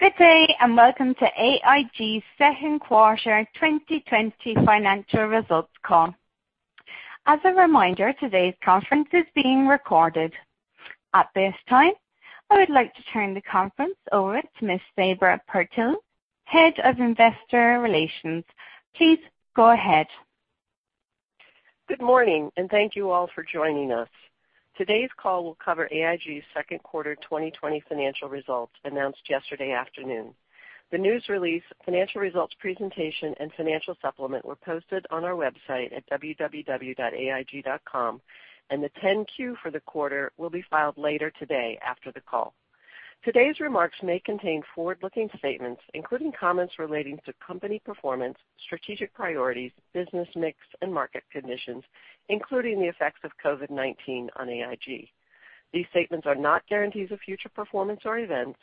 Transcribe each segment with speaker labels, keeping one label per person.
Speaker 1: Good day, and welcome to AIG's second quarter 2020 financial results call. As a reminder, today's conference is being recorded. At this time, I would like to turn the conference over to Ms. Sabra Purtill, Head of Investor Relations. Please go ahead.
Speaker 2: Good morning, and thank you all for joining us. Today's call will cover AIG's second quarter 2020 financial results, announced yesterday afternoon. The news release, financial results presentation, and financial supplement were posted on our website at www.aig.com, and the 10-Q for the quarter will be filed later today after the call. Today's remarks may contain forward-looking statements, including comments relating to company performance, strategic priorities, business mix, and market conditions, including the effects of COVID-19 on AIG. These statements are not guarantees of future performance or events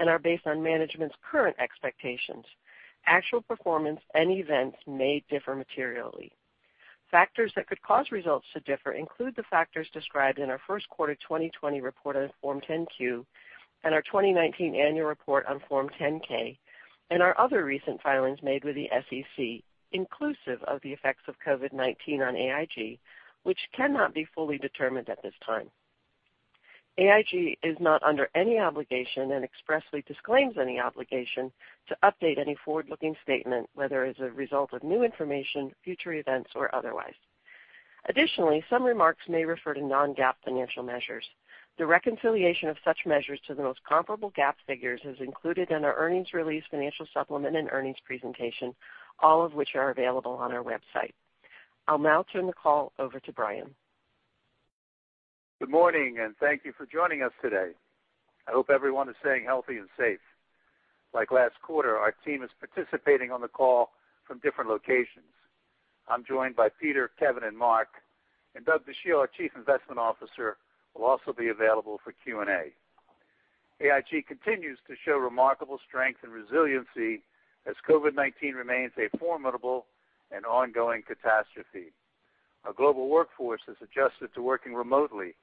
Speaker 2: and are based on management's current expectations. Actual performance and events may differ materially. Factors that could cause results to differ include the factors described in our first quarter 2020 report on Form 10-Q and our 2019 annual report on Form 10-K and our other recent filings made with the SEC, inclusive of the effects of COVID-19 on AIG, which cannot be fully determined at this time. AIG is not under any obligation and expressly disclaims any obligation to update any forward-looking statement, whether as a result of new information, future events, or otherwise. Additionally, some remarks may refer to non-GAAP financial measures. The reconciliation of such measures to the most comparable GAAP figures is included in our earnings release financial supplement and earnings presentation, all of which are available on our website. I'll now turn the call over to Brian.
Speaker 3: Good morning. Thank you for joining us today. I hope everyone is staying healthy and safe. Like last quarter, our team is participating on the call from different locations. I'm joined by Peter, Kevin, and Mark, and Doug Dachille, our Chief Investment Officer, will also be available for Q&A. AIG continues to show remarkable strength and resiliency as COVID-19 remains a formidable and ongoing catastrophe. Our global workforce has adjusted to working remotely,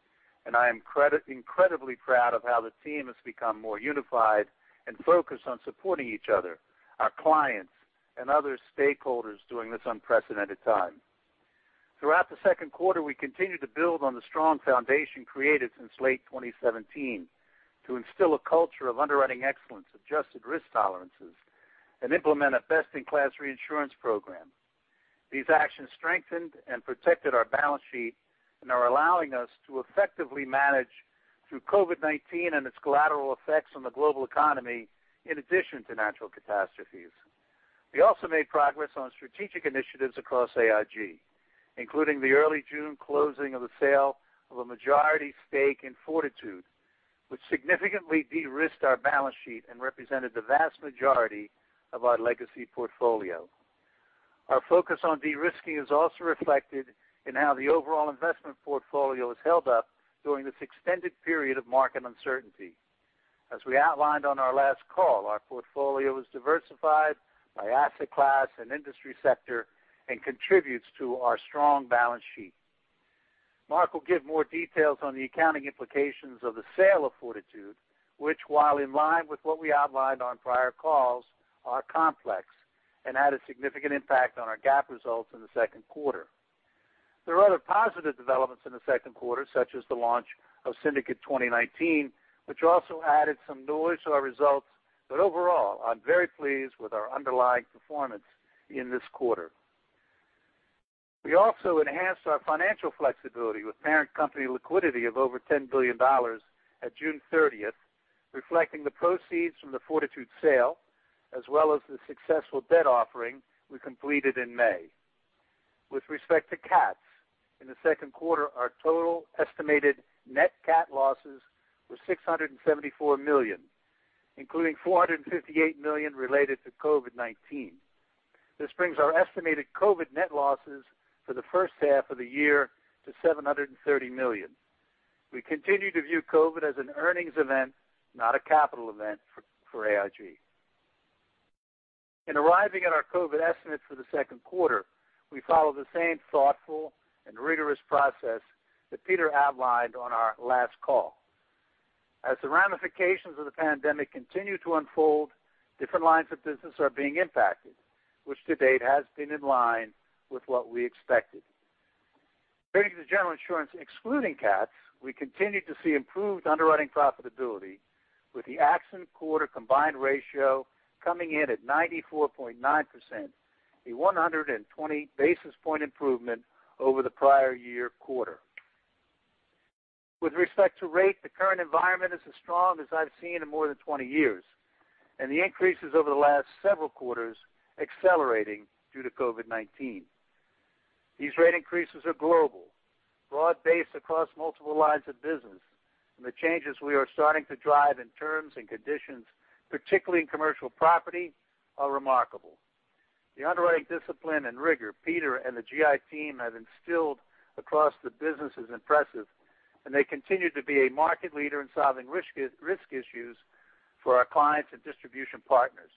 Speaker 3: and I am incredibly proud of how the team has become more unified and focused on supporting each other, our clients, and other stakeholders during this unprecedented time. Throughout the second quarter, we continued to build on the strong foundation created since late 2017 to instill a culture of underwriting excellence, adjusted risk tolerances, and implement a best-in-class reinsurance program. These actions strengthened and protected our balance sheet and are allowing us to effectively manage through COVID-19 and its collateral effects on the global economy in addition to natural catastrophes. We also made progress on strategic initiatives across AIG, including the early June closing of the sale of a majority stake in Fortitude, which significantly de-risked our balance sheet and represented the vast majority of our legacy portfolio. Our focus on de-risking is also reflected in how the overall investment portfolio has held up during this extended period of market uncertainty. As we outlined on our last call, our portfolio is diversified by asset class and industry sector and contributes to our strong balance sheet. Mark will give more details on the accounting implications of the sale of Fortitude, which, while in line with what we outlined on prior calls, are complex and had a significant impact on our GAAP results in the second quarter. There are other positive developments in the second quarter, such as the launch of Syndicate 2019, which also added some noise to our results. Overall, I'm very pleased with our underlying performance in this quarter. We also enhanced our financial flexibility with parent company liquidity of over $10 billion at June 30th, reflecting the proceeds from the Fortitude sale, as well as the successful debt offering we completed in May. With respect to CATs, in the second quarter, our total estimated net CAT losses were $674 million, including $458 million related to COVID-19. This brings our estimated COVID net losses for the first half of the year to $730 million. We continue to view COVID as an earnings event, not a capital event for AIG. In arriving at our COVID estimates for the second quarter, we follow the same thoughtful and rigorous process that Peter outlined on our last call. As the ramifications of the pandemic continue to unfold, different lines of business are being impacted, which to date has been in line with what we expected. Turning to General Insurance, excluding CATs, we continue to see improved underwriting profitability with the accident quarter combined ratio coming in at 94.9%, a 120 basis point improvement over the prior year quarter. With respect to rate, the current environment is as strong as I've seen in more than 20 years, and the increases over the last several quarters accelerating due to COVID-19. These rate increases are global, broad-based across multiple lines of business, and the changes we are starting to drive in terms and conditions, particularly in commercial property, are remarkable. The underwriting discipline and rigor Peter and the GI team have instilled across the business is impressive, and they continue to be a market leader in solving risk issues for our clients and distribution partners.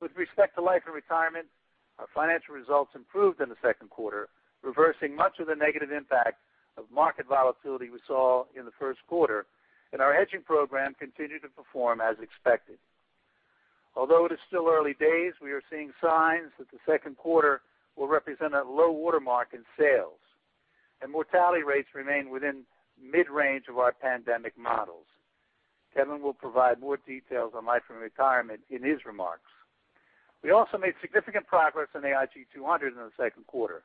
Speaker 3: With respect to Life and Retirement, our financial results improved in the second quarter, reversing much of the negative impact of market volatility we saw in the first quarter, and our hedging program continued to perform as expected. Although it is still early days, we are seeing signs that the second quarter will represent a low water mark in sales, and mortality rates remain within mid-range of our pandemic models. Kevin will provide more details on Life and Retirement in his remarks. We also made significant progress in AIG 200 in the second quarter.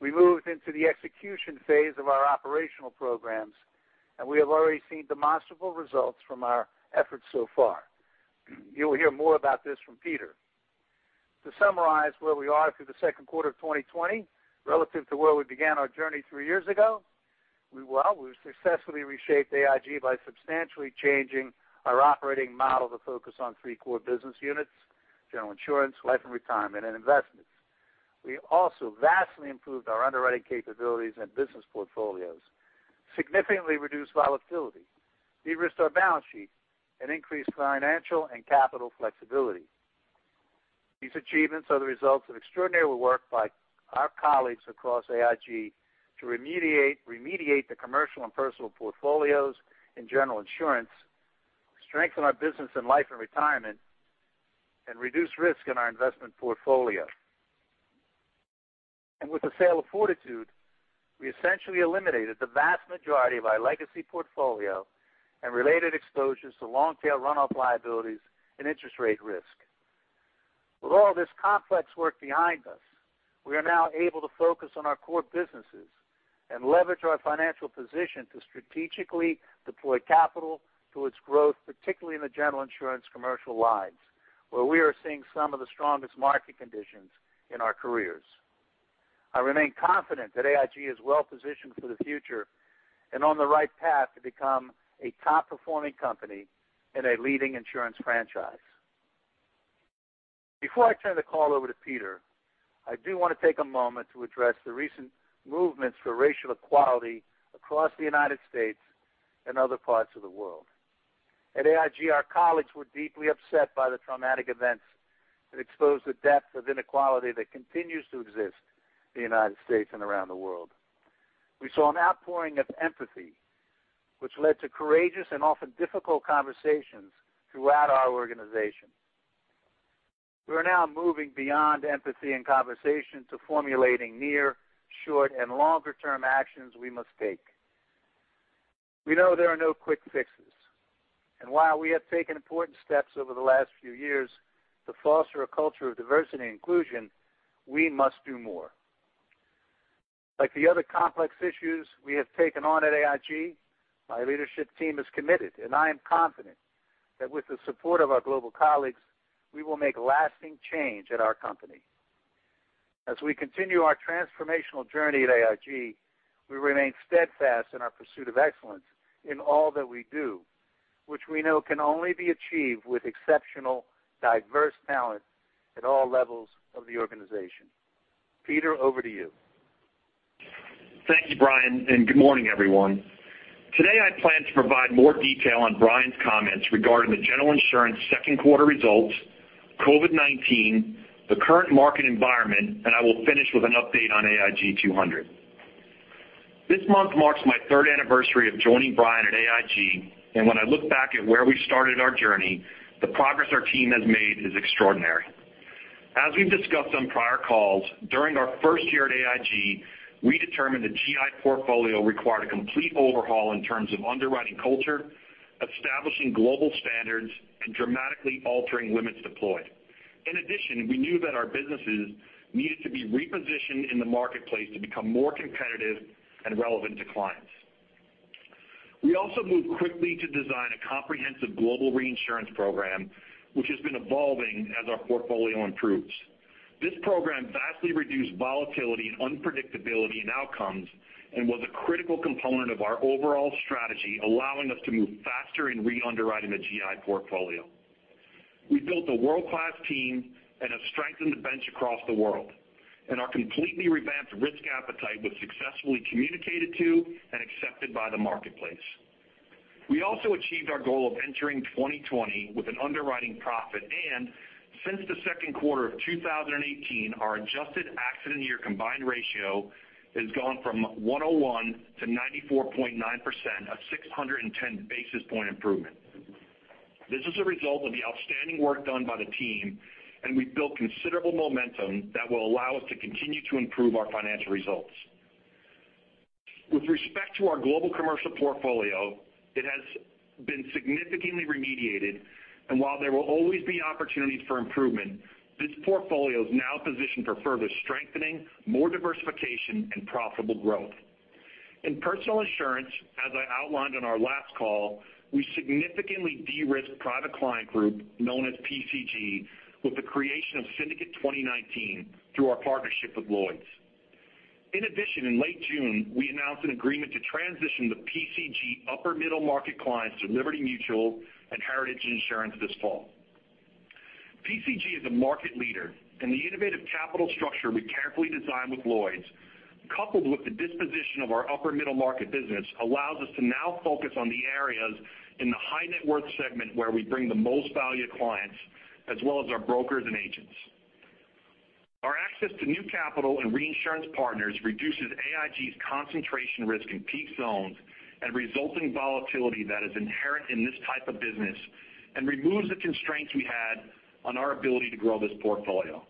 Speaker 3: We moved into the execution phase of our operational programs, and we have already seen demonstrable results from our efforts so far. You will hear more about this from Peter. To summarize where we are through the second quarter of 2020 relative to where we began our journey three years ago, we successfully reshaped AIG by substantially changing our operating model to focus on three core business units: General Insurance, Life and Retirement, and Investments. We also vastly improved our underwriting capabilities and business portfolios, significantly reduced volatility, de-risked our balance sheet, and increased financial and capital flexibility. These achievements are the results of extraordinary work by our colleagues across AIG to remediate the commercial and personal portfolios in General Insurance, strengthen our business in Life and Retirement, and reduce risk in our investment portfolio. With the sale of Fortitude, we essentially eliminated the vast majority of our legacy portfolio and related exposures to long-tail runoff liabilities and interest rate risk. With all this complex work behind us, we are now able to focus on our core businesses and leverage our financial position to strategically deploy capital towards growth, particularly in the General Insurance commercial lines, where we are seeing some of the strongest market conditions in our careers. I remain confident that AIG is well-positioned for the future and on the right path to become a top-performing company and a leading insurance franchise. Before I turn the call over to Peter, I do want to take a moment to address the recent movements for racial equality across the United States and other parts of the world. At AIG, our colleagues were deeply upset by the traumatic events that exposed the depth of inequality that continues to exist in the United States and around the world. We saw an outpouring of empathy, which led to courageous and often difficult conversations throughout our organization. We are now moving beyond empathy and conversation to formulating near, short, and longer-term actions we must take. We know there are no quick fixes, and while we have taken important steps over the last few years to foster a culture of diversity and inclusion, we must do more. Like the other complex issues we have taken on at AIG, my leadership team is committed, and I am confident that with the support of our global colleagues, we will make lasting change at our company. As we continue our transformational journey at AIG, we remain steadfast in our pursuit of excellence in all that we do, which we know can only be achieved with exceptional, diverse talent at all levels of the organization. Peter, over to you.
Speaker 4: Thank you, Brian. Good morning, everyone. Today, I plan to provide more detail on Brian's comments regarding the General Insurance second quarter results, COVID-19, the current market environment, and I will finish with an update on AIG 200. This month marks my third anniversary of joining Brian at AIG, and when I look back at where we started our journey, the progress our team has made is extraordinary. As we've discussed on prior calls, during our first year at AIG, we determined the GI portfolio required a complete overhaul in terms of underwriting culture, establishing global standards, and dramatically altering limits deployed. In addition, we knew that our businesses needed to be repositioned in the marketplace to become more competitive and relevant to clients. We also moved quickly to design a comprehensive global reinsurance program, which has been evolving as our portfolio improves. This program vastly reduced volatility and unpredictability in outcomes and was a critical component of our overall strategy, allowing us to move faster in re-underwriting the GI portfolio. Our completely revamped risk appetite was successfully communicated to and accepted by the marketplace. We also achieved our goal of entering 2020 with an underwriting profit. Since the second quarter of 2018, our adjusted accident year combined ratio has gone from 101 to 94.9%, a 610-basis point improvement. This is a result of the outstanding work done by the team, and we've built considerable momentum that will allow us to continue to improve our financial results. With respect to our global commercial portfolio, it has been significantly remediated, and while there will always be opportunities for improvement, this portfolio is now positioned for further strengthening, more diversification, and profitable growth. In personal insurance, as I outlined on our last call, we significantly de-risked Private Client Group, known as PCG, with the creation of Syndicate 2019 through our partnership with Lloyd's. In addition, in late June, we announced an agreement to transition the PCG upper middle market clients to Liberty Mutual and Heritage Insurance this fall. PCG is a market leader, and the innovative capital structure we carefully designed with Lloyd's coupled with the disposition of our upper middle market business allows us to now focus on the areas in the high net worth segment where we bring the most value to clients, as well as our brokers and agents. Our access to new capital and reinsurance partners reduces AIG's concentration risk in peak zones and resulting volatility that is inherent in this type of business and removes the constraints we had on our ability to grow this portfolio.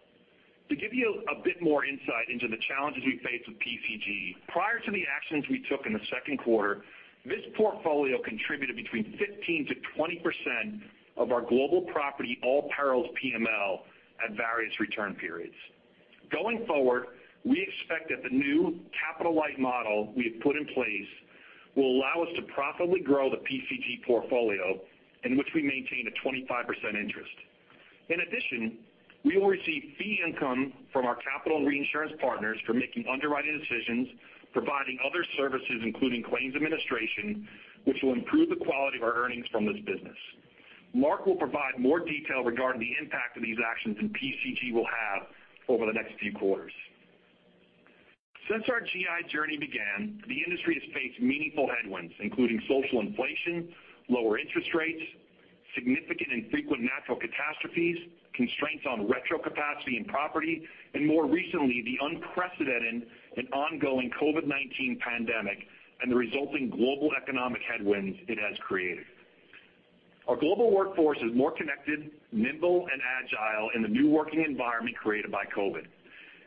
Speaker 4: To give you a bit more insight into the challenges we face with PCG, prior to the actions we took in the second quarter, this portfolio contributed between 15% to 20% of our global property, all perils PML at various return periods. Going forward, we expect that the new capital-light model we have put in place will allow us to profitably grow the PCG portfolio in which we maintain a 25% interest. In addition, we will receive fee income from our capital and reinsurance partners for making underwriting decisions, providing other services, including claims administration, which will improve the quality of our earnings from this business. Mark will provide more detail regarding the impact of these actions than PCG will have over the next few quarters. Since our GI journey began, the industry has faced meaningful headwinds, including social inflation, lower interest rates, significant and frequent natural catastrophes, constraints on retro capacity and property, and more recently, the unprecedented and ongoing COVID-19 pandemic and the resulting global economic headwinds it has created. Our global workforce is more connected, nimble, and agile in the new working environment created by COVID,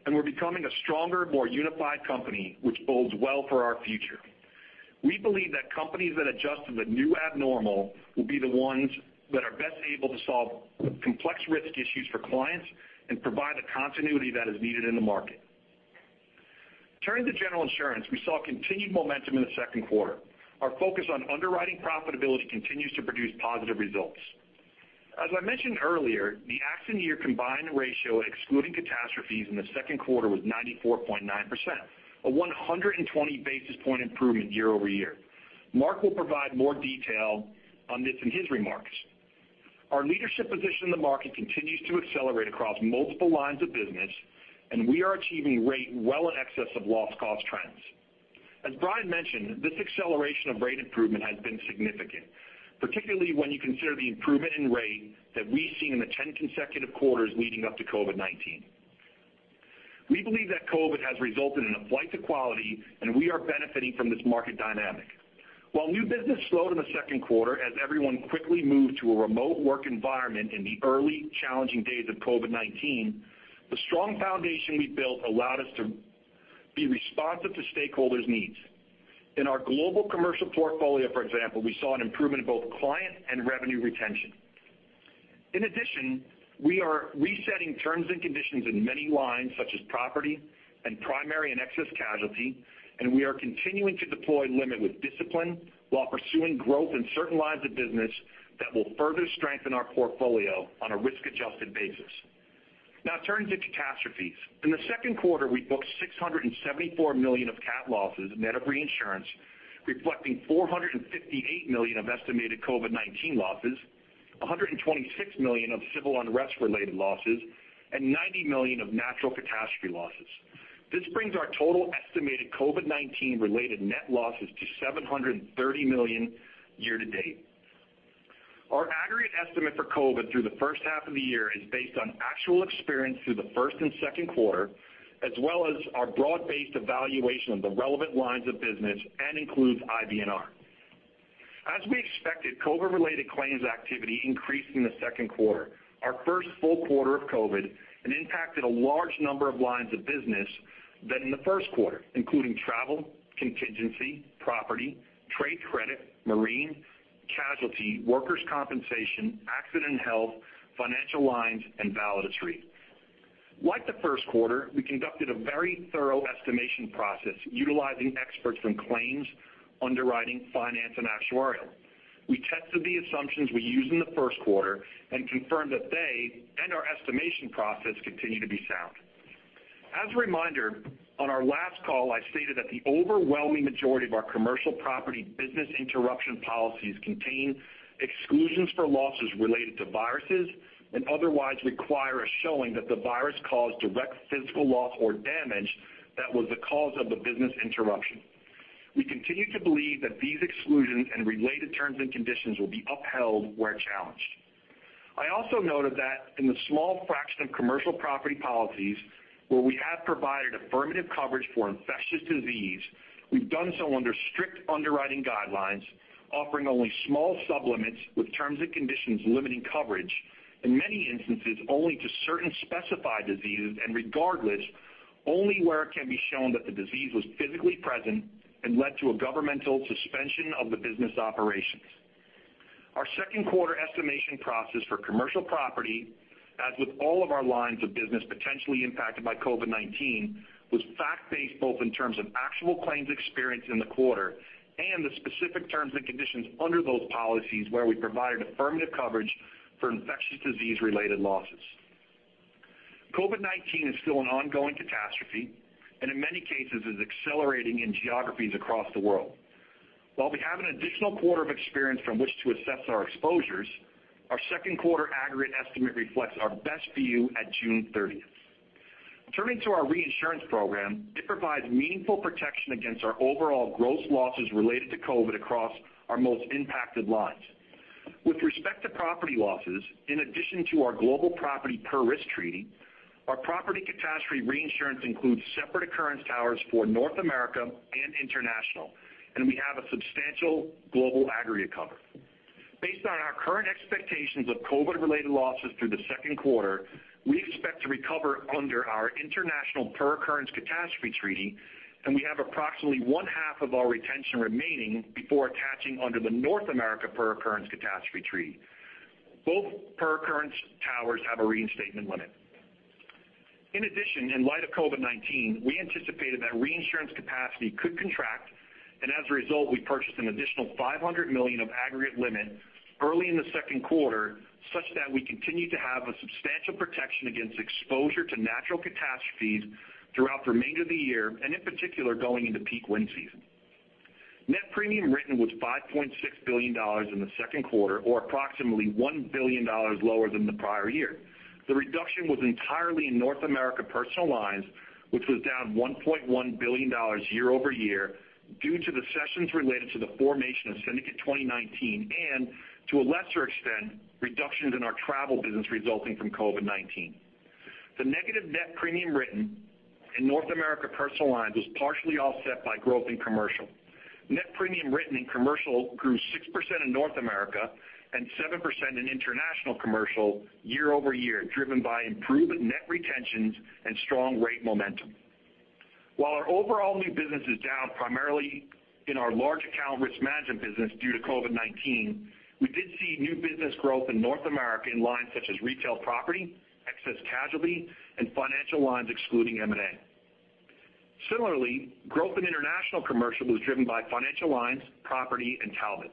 Speaker 4: and we're becoming a stronger, more unified company, which bodes well for our future. We believe that companies that adjust to the new abnormal will be the ones that are best able to solve complex risk issues for clients and provide the continuity that is needed in the market. Turning to General Insurance, we saw continued momentum in the second quarter. Our focus on underwriting profitability continues to produce positive results. As I mentioned earlier, the accident year combined ratio, excluding catastrophes in the second quarter was 94.9%, a 120 basis point improvement year-over-year. Mark will provide more detail on this in his remarks. Our leadership position in the market continues to accelerate across multiple lines of business, and we are achieving rate well in excess of loss cost trends. As Brian mentioned, this acceleration of rate improvement has been significant, particularly when you consider the improvement in rate that we've seen in the 10 consecutive quarters leading up to COVID-19. We believe that COVID has resulted in a flight to quality, and we are benefiting from this market dynamic. While new business slowed in the second quarter, as everyone quickly moved to a remote work environment in the early challenging days of COVID-19, the strong foundation we built allowed us to be responsive to stakeholders' needs. In our global commercial portfolio, for example, we saw an improvement in both client and revenue retention. In addition, we are resetting terms and conditions in many lines, such as property and primary and excess casualty, and we are continuing to deploy limit with discipline while pursuing growth in certain lines of business that will further strengthen our portfolio on a risk-adjusted basis. Now turning to catastrophes. In the second quarter, we booked $674 million of cat losses net of reinsurance, reflecting $458 million of estimated COVID-19 losses, $126 million of civil unrest related losses, and $90 million of natural catastrophe losses. This brings our total estimated COVID-19 related net losses to $730 million year to date. Our aggregate estimate for COVID through the first half of the year is based on actual experience through the first and second quarter, as well as our broad-based evaluation of the relevant lines of business and includes IBNR. As we expected, COVID-related claims activity increased in the second quarter, our first full quarter of COVID, and impacted a large number of lines of business than in the first quarter, including travel, contingency, property, trade credit, marine, casualty, workers' compensation, accident health, financial lines, and Validus Re. Like the first quarter, we conducted a very thorough estimation process utilizing experts from claims, underwriting, finance, and actuarial. We tested the assumptions we used in the first quarter and confirmed that they and our estimation process continue to be sound. As a reminder, on our last call, I stated that the overwhelming majority of our commercial property business interruption policies contain exclusions for losses related to viruses and otherwise require a showing that the virus caused direct physical loss or damage that was the cause of the business interruption. We continue to believe that these exclusions and related terms and conditions will be upheld where challenged. I also noted that in the small fraction of commercial property policies where we have provided affirmative coverage for infectious disease, we've done so under strict underwriting guidelines, offering only small sublimits with terms and conditions limiting coverage, in many instances, only to certain specified diseases, and regardless, only where it can be shown that the disease was physically present and led to a governmental suspension of the business operations. Our second quarter estimation process for commercial property, as with all of our lines of business potentially impacted by COVID-19, was fact-based both in terms of actual claims experienced in the quarter and the specific terms and conditions under those policies where we provided affirmative coverage for infectious disease-related losses. COVID-19 is still an ongoing catastrophe and in many cases is accelerating in geographies across the world. While we have an additional quarter of experience from which to assess our exposures, our second quarter aggregate estimate reflects our best view at June 30th. Turning to our reinsurance program, it provides meaningful protection against our overall gross losses related to COVID across our most impacted lines. With respect to property losses, in addition to our global property per risk treaty, our property catastrophe reinsurance includes separate occurrence towers for North America and international, and we have a substantial global aggregate cover. Based on our current expectations of COVID-related losses through the second quarter, we expect to recover under our international per occurrence catastrophe treaty, and we have approximately one-half of our retention remaining before attaching under the North America per occurrence catastrophe treaty. Both per occurrence towers have a reinstatement limit. In addition, in light of COVID-19, we anticipated that reinsurance capacity could contract, and as a result, we purchased an additional $500 million of aggregate limit early in the second quarter, such that we continue to have a substantial protection against exposure to natural catastrophes throughout the remainder of the year, and in particular, going into peak wind season. Net premium written was $5.6 billion in the second quarter, or approximately $1 billion lower than the prior year. The reduction was entirely in North America personal lines, which was down $1.1 billion year-over-year due to the cessions related to the formation of Syndicate 2019 and, to a lesser extent, reductions in our travel business resulting from COVID-19. The negative net premium written in North America personal lines was partially offset by growth in commercial. Net premium written in commercial grew 6% in North America and 7% in international commercial year-over-year, driven by improved net retentions and strong rate momentum. While our overall new business is down primarily in our large account risk management business due to COVID-19, we did see new business growth in North America in lines such as retail property, excess casualty, and financial lines excluding M&A. Similarly, growth in international commercial was driven by financial lines, property and Talbot.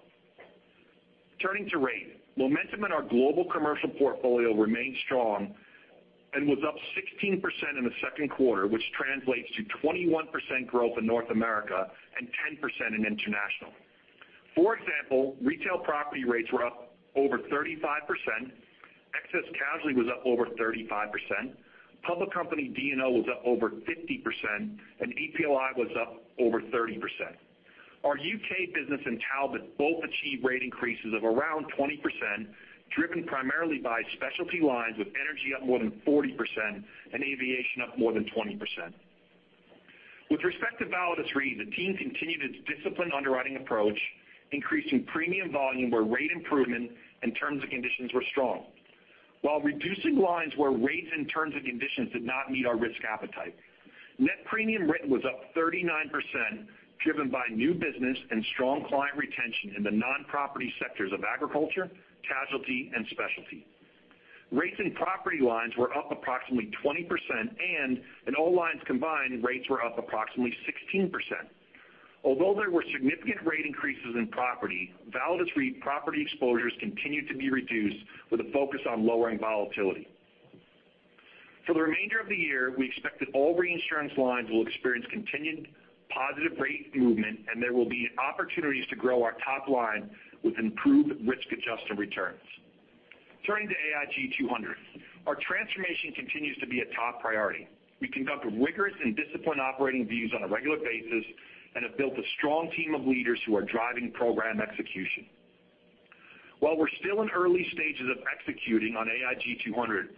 Speaker 4: Turning to rate. Momentum in our global commercial portfolio remained strong and was up 16% in the second quarter, which translates to 21% growth in North America and 10% in international. For example, retail property rates were up over 35%, excess casualty was up over 35%, public company D&O was up over 50%, and EPLI was up over 30%. Our U.K. business and Talbot both achieved rate increases of around 20%, driven primarily by specialty lines, with energy up more than 40% and aviation up more than 20%. With respect to Validus Re, the team continued its disciplined underwriting approach, increasing premium volume where rate improvement and terms and conditions were strong, while reducing lines where rates and terms and conditions did not meet our risk appetite. Net premium written was up 39%, driven by new business and strong client retention in the non-property sectors of agriculture, casualty, and specialty. Rates and property lines were up approximately 20%, and in all lines combined, rates were up approximately 16%. Although there were significant rate increases in property, Validus Re property exposures continued to be reduced with a focus on lowering volatility. For the remainder of the year, we expect that all reinsurance lines will experience continued positive rate movement, and there will be opportunities to grow our top line with improved risk-adjusted returns. Turning to AIG 200. Our transformation continues to be a top priority. We conduct rigorous and disciplined operating reviews on a regular basis and have built a strong team of leaders who are driving program execution. While we're still in early stages of executing on AIG 200,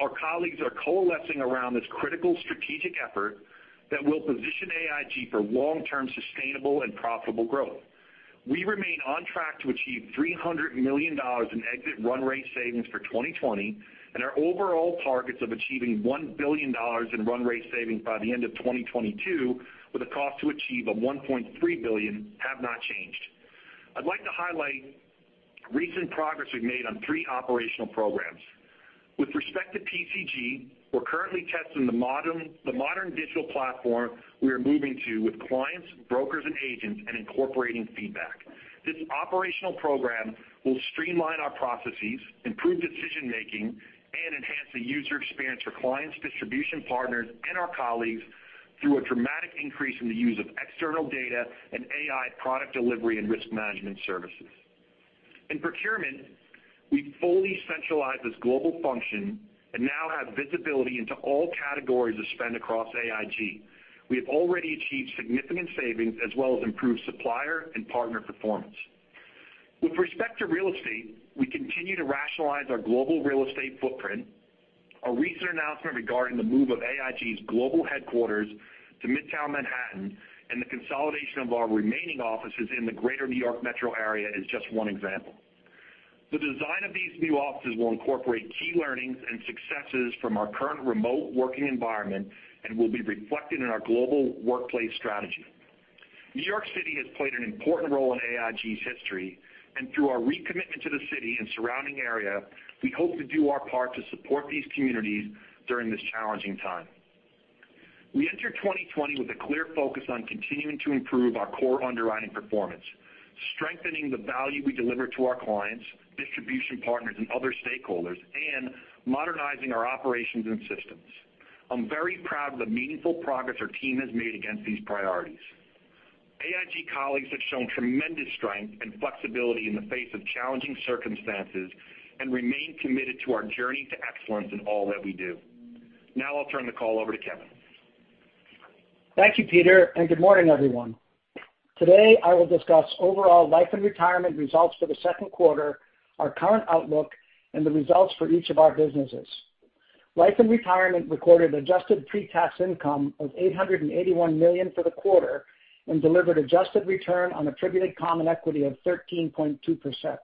Speaker 4: our colleagues are coalescing around this critical strategic effort that will position AIG for long-term sustainable and profitable growth. We remain on track to achieve $300 million in exit run rate savings for 2020, and our overall targets of achieving $1 billion in run rate savings by the end of 2022, with a cost to achieve of $1.3 billion, have not changed. I'd like to highlight recent progress we've made on three operational programs. With respect to PCG, we're currently testing the modern digital platform we are moving to with clients, brokers, and agents, and incorporating feedback. This operational program will streamline our processes, improve decision-making, and enhance the user experience for clients, distribution partners, and our colleagues through a dramatic increase in the use of external data and AI product delivery and risk management services. In procurement, we've fully centralized this global function and now have visibility into all categories of spend across AIG. We have already achieved significant savings as well as improved supplier and partner performance. With respect to real estate, we continue to rationalize our global real estate footprint. A recent announcement regarding the move of AIG's global headquarters to Midtown Manhattan and the consolidation of our remaining offices in the greater New York metro area is just one example. The design of these new offices will incorporate key learnings and successes from our current remote working environment and will be reflected in our global workplace strategy. New York City has played an important role in AIG's history, and through our recommitment to the city and surrounding area, we hope to do our part to support these communities during this challenging time. We entered 2020 with a clear focus on continuing to improve our core underwriting performance, strengthening the value we deliver to our clients, distribution partners, and other stakeholders, and modernizing our operations and systems. I'm very proud of the meaningful progress our team has made against these priorities. AIG colleagues have shown tremendous strength and flexibility in the face of challenging circumstances, and remain committed to our journey to excellence in all that we do. Now I'll turn the call over to Kevin.
Speaker 5: Thank you, Peter, good morning, everyone. Today, I will discuss overall Life & Retirement results for the second quarter, our current outlook, and the results for each of our businesses. Life & Retirement recorded adjusted pre-tax income of $881 million for the quarter, and delivered adjusted return on attributed common equity of 13.2%.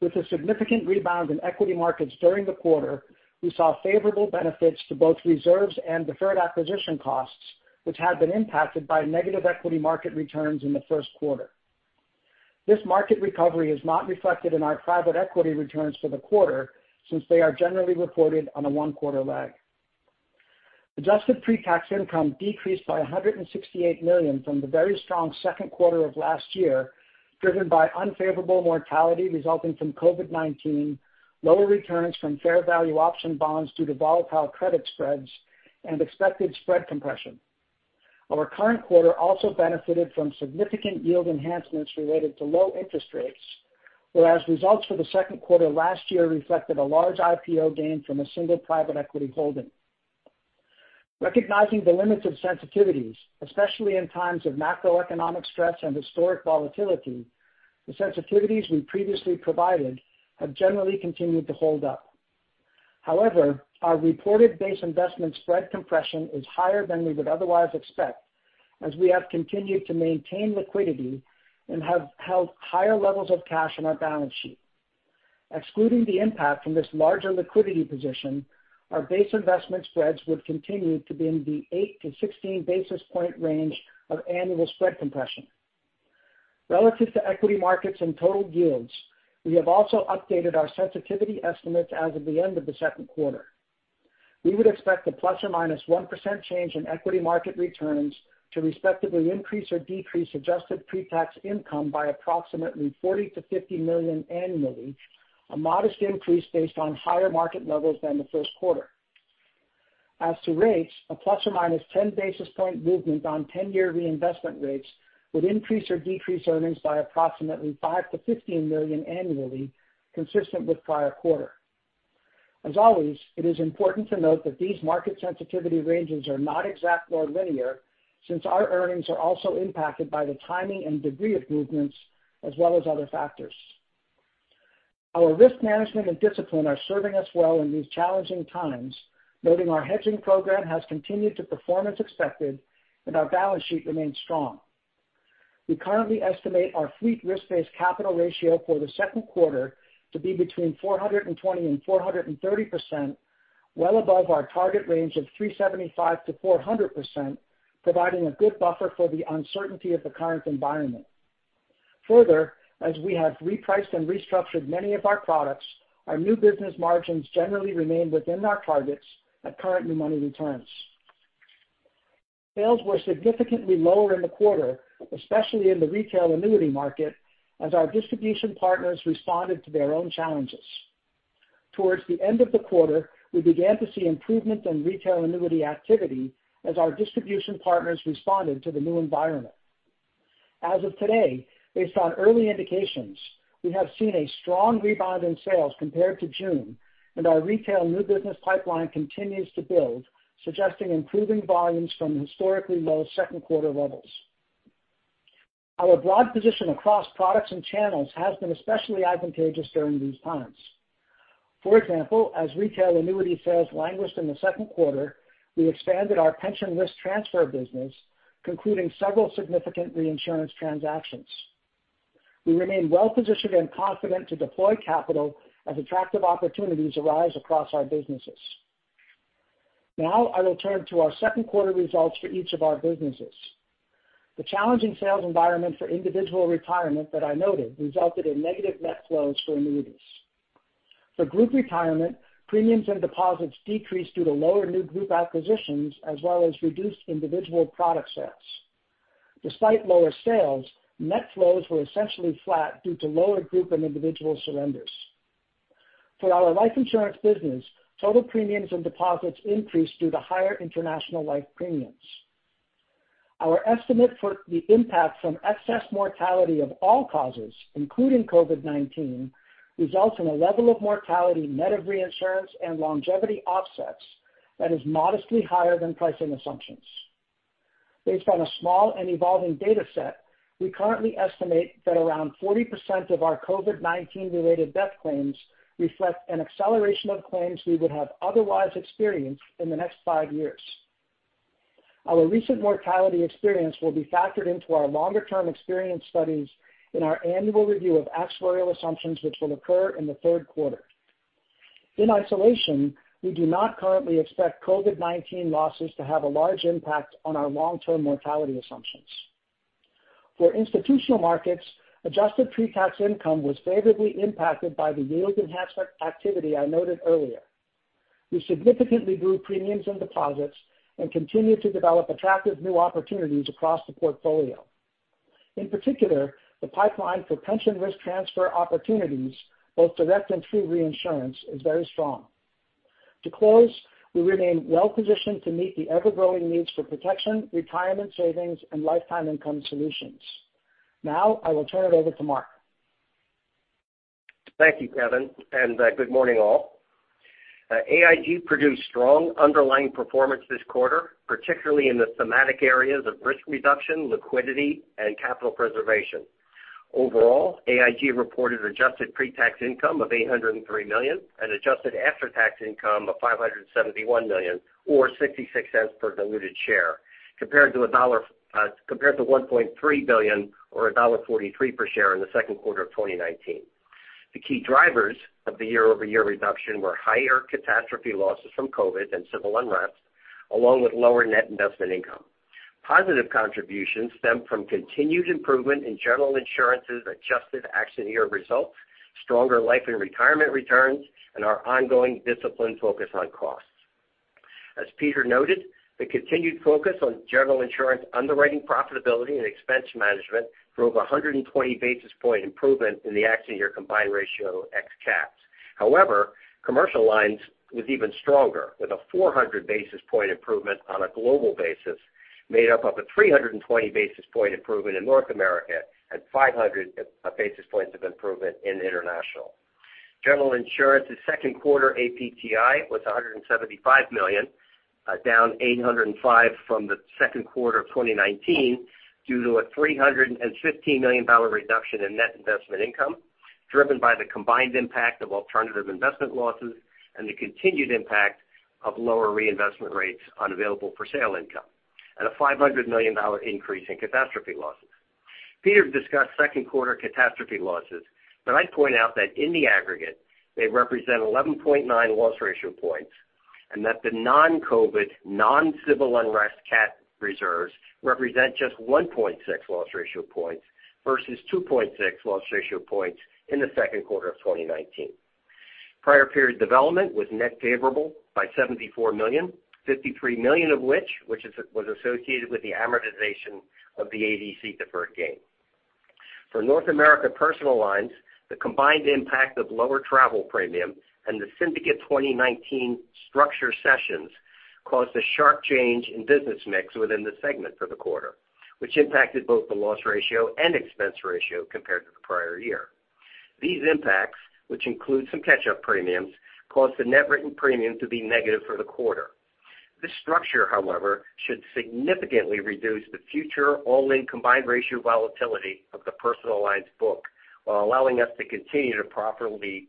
Speaker 5: With a significant rebound in equity markets during the quarter, we saw favorable benefits to both reserves and deferred acquisition costs, which had been impacted by negative equity market returns in the first quarter. This market recovery is not reflected in our private equity returns for the quarter, since they are generally reported on a one-quarter lag. Adjusted pre-tax income decreased by $168 million from the very strong second quarter of last year, driven by unfavorable mortality resulting from COVID-19, lower returns from fair value option bonds due to volatile credit spreads, and expected spread compression. Our current quarter also benefited from significant yield enhancements related to low interest rates, whereas results for the second quarter last year reflected a large IPO gain from a single private equity holding. Recognizing the limits of sensitivities, especially in times of macroeconomic stress and historic volatility, the sensitivities we previously provided have generally continued to hold up. Our reported base investment spread compression is higher than we would otherwise expect, as we have continued to maintain liquidity and have held higher levels of cash on our balance sheet. Excluding the impact from this larger liquidity position, our base investment spreads would continue to be in the 8 to 16 basis point range of annual spread compression. Relative to equity markets and total yields, we have also updated our sensitivity estimates as of the end of the second quarter. We would expect a ±1% change in equity market returns to respectively increase or decrease adjusted pre-tax income by approximately $40 to 50 million annually, a modest increase based on higher market levels than the first quarter. As to rates, a ±10 basis point movement on 10-year reinvestment rates would increase or decrease earnings by approximately $5 to 15 million annually, consistent with prior quarter. As always, it is important to note that these market sensitivity ranges are not exact or linear, since our earnings are also impacted by the timing and degree of movements as well as other factors. Our risk management and discipline are serving us well in these challenging times, noting our hedging program has continued to perform as expected and our balance sheet remains strong. We currently estimate our fleet risk-based capital ratio for the second quarter to be between 420% to 430%, well above our target range of 375% to 400%, providing a good buffer for the uncertainty of the current environment. Further, as we have repriced and restructured many of our products, our new business margins generally remain within our targets at current new money returns. Sales were significantly lower in the quarter, especially in the retail annuity market, as our distribution partners responded to their own challenges. Towards the end of the quarter, we began to see improvement in retail annuity activity as our distribution partners responded to the new environment. As of today, based on early indications, we have seen a strong rebound in sales compared to June, and our retail new business pipeline continues to build, suggesting improving volumes from historically low second quarter levels. Our broad position across products and channels has been especially advantageous during these times. For example, as retail annuity sales languished in the second quarter, we expanded our pension risk transfer business, concluding several significant reinsurance transactions. We remain well-positioned and confident to deploy capital as attractive opportunities arise across our businesses. Now, I will turn to our second quarter results for each of our businesses. The challenging sales environment for Individual Retirement that I noted resulted in negative net flows for annuities. For Group Retirement, premiums and deposits decreased due to lower new group acquisitions, as well as reduced individual product sales. Despite lower sales, net flows were essentially flat due to lower group and individual surrenders. For our Life Insurance business, total premiums and deposits increased due to higher international life premiums. Our estimate for the impact from excess mortality of all causes, including COVID-19, results in a level of mortality net of reinsurance and longevity offsets that is modestly higher than pricing assumptions. Based on a small and evolving data set, we currently estimate that around 40% of our COVID-19 related death claims reflect an acceleration of claims we would have otherwise experienced in the next five years. Our recent mortality experience will be factored into our longer-term experience studies in our annual review of actuarial assumptions, which will occur in the third quarter. In isolation, we do not currently expect COVID-19 losses to have a large impact on our long-term mortality assumptions. For Institutional Markets, adjusted pre-tax income was favorably impacted by the yield enhancement activity I noted earlier. We significantly grew premiums and deposits and continue to develop attractive new opportunities across the portfolio. In particular, the pipeline for pension risk transfer opportunities, both direct and through reinsurance, is very strong. To close, we remain well-positioned to meet the ever-growing needs for protection, retirement savings, and lifetime income solutions. Now, I will turn it over to Mark.
Speaker 6: Thank you, Kevin. Good morning, all. AIG produced strong underlying performance this quarter, particularly in the thematic areas of risk reduction, liquidity, and capital preservation. Overall, AIG reported adjusted pre-tax income of $803 million and adjusted after-tax income of $571 million, or $0.66 per diluted share, compared to $1.3 billion or $1.43 per share in the second quarter of 2019. The key drivers of the year-over-year reduction were higher catastrophe losses from COVID and civil unrest, along with lower net investment income. Positive contributions stemmed from continued improvement in General Insurance's adjusted accident year results, stronger Life & Retirement returns, and our ongoing disciplined focus on costs. As Peter noted, the continued focus on General Insurance underwriting profitability and expense management drove 120 basis point improvement in the accident year combined ratio ex cat. However, Commercial Lines was even stronger, with a 400 basis point improvement on a global basis, made up of a 320 basis point improvement in North America and 500 basis points of improvement in International. General Insurance's second quarter APTI was $175 million, down $805 from the second quarter of 2019 due to a $315 million reduction in net investment income, driven by the combined impact of alternative investment losses and the continued impact of lower reinvestment rates on available for sale income, and a $500 million increase in catastrophe losses. Peter discussed second quarter catastrophe losses, but I'd point out that in the aggregate, they represent 11.9 loss ratio points, and that the non-COVID, non-civil unrest cat reserves represent just 1.6 loss ratio points versus 2.6 loss ratio points in the second quarter of 2019. Prior period development was net favorable by $74 million, $53 million of which was associated with the amortization of the ADC deferred gain. For North America Personal Lines, the combined impact of lower travel premium and the Syndicate 2019 structure cessions caused a sharp change in business mix within the segment for the quarter, which impacted both the loss ratio and expense ratio compared to the prior year. These impacts, which include some catch-up premiums, caused the net written premium to be negative for the quarter. This structure, however, should significantly reduce the future all-in combined ratio volatility of the Personal Lines book while allowing us to continue to profitably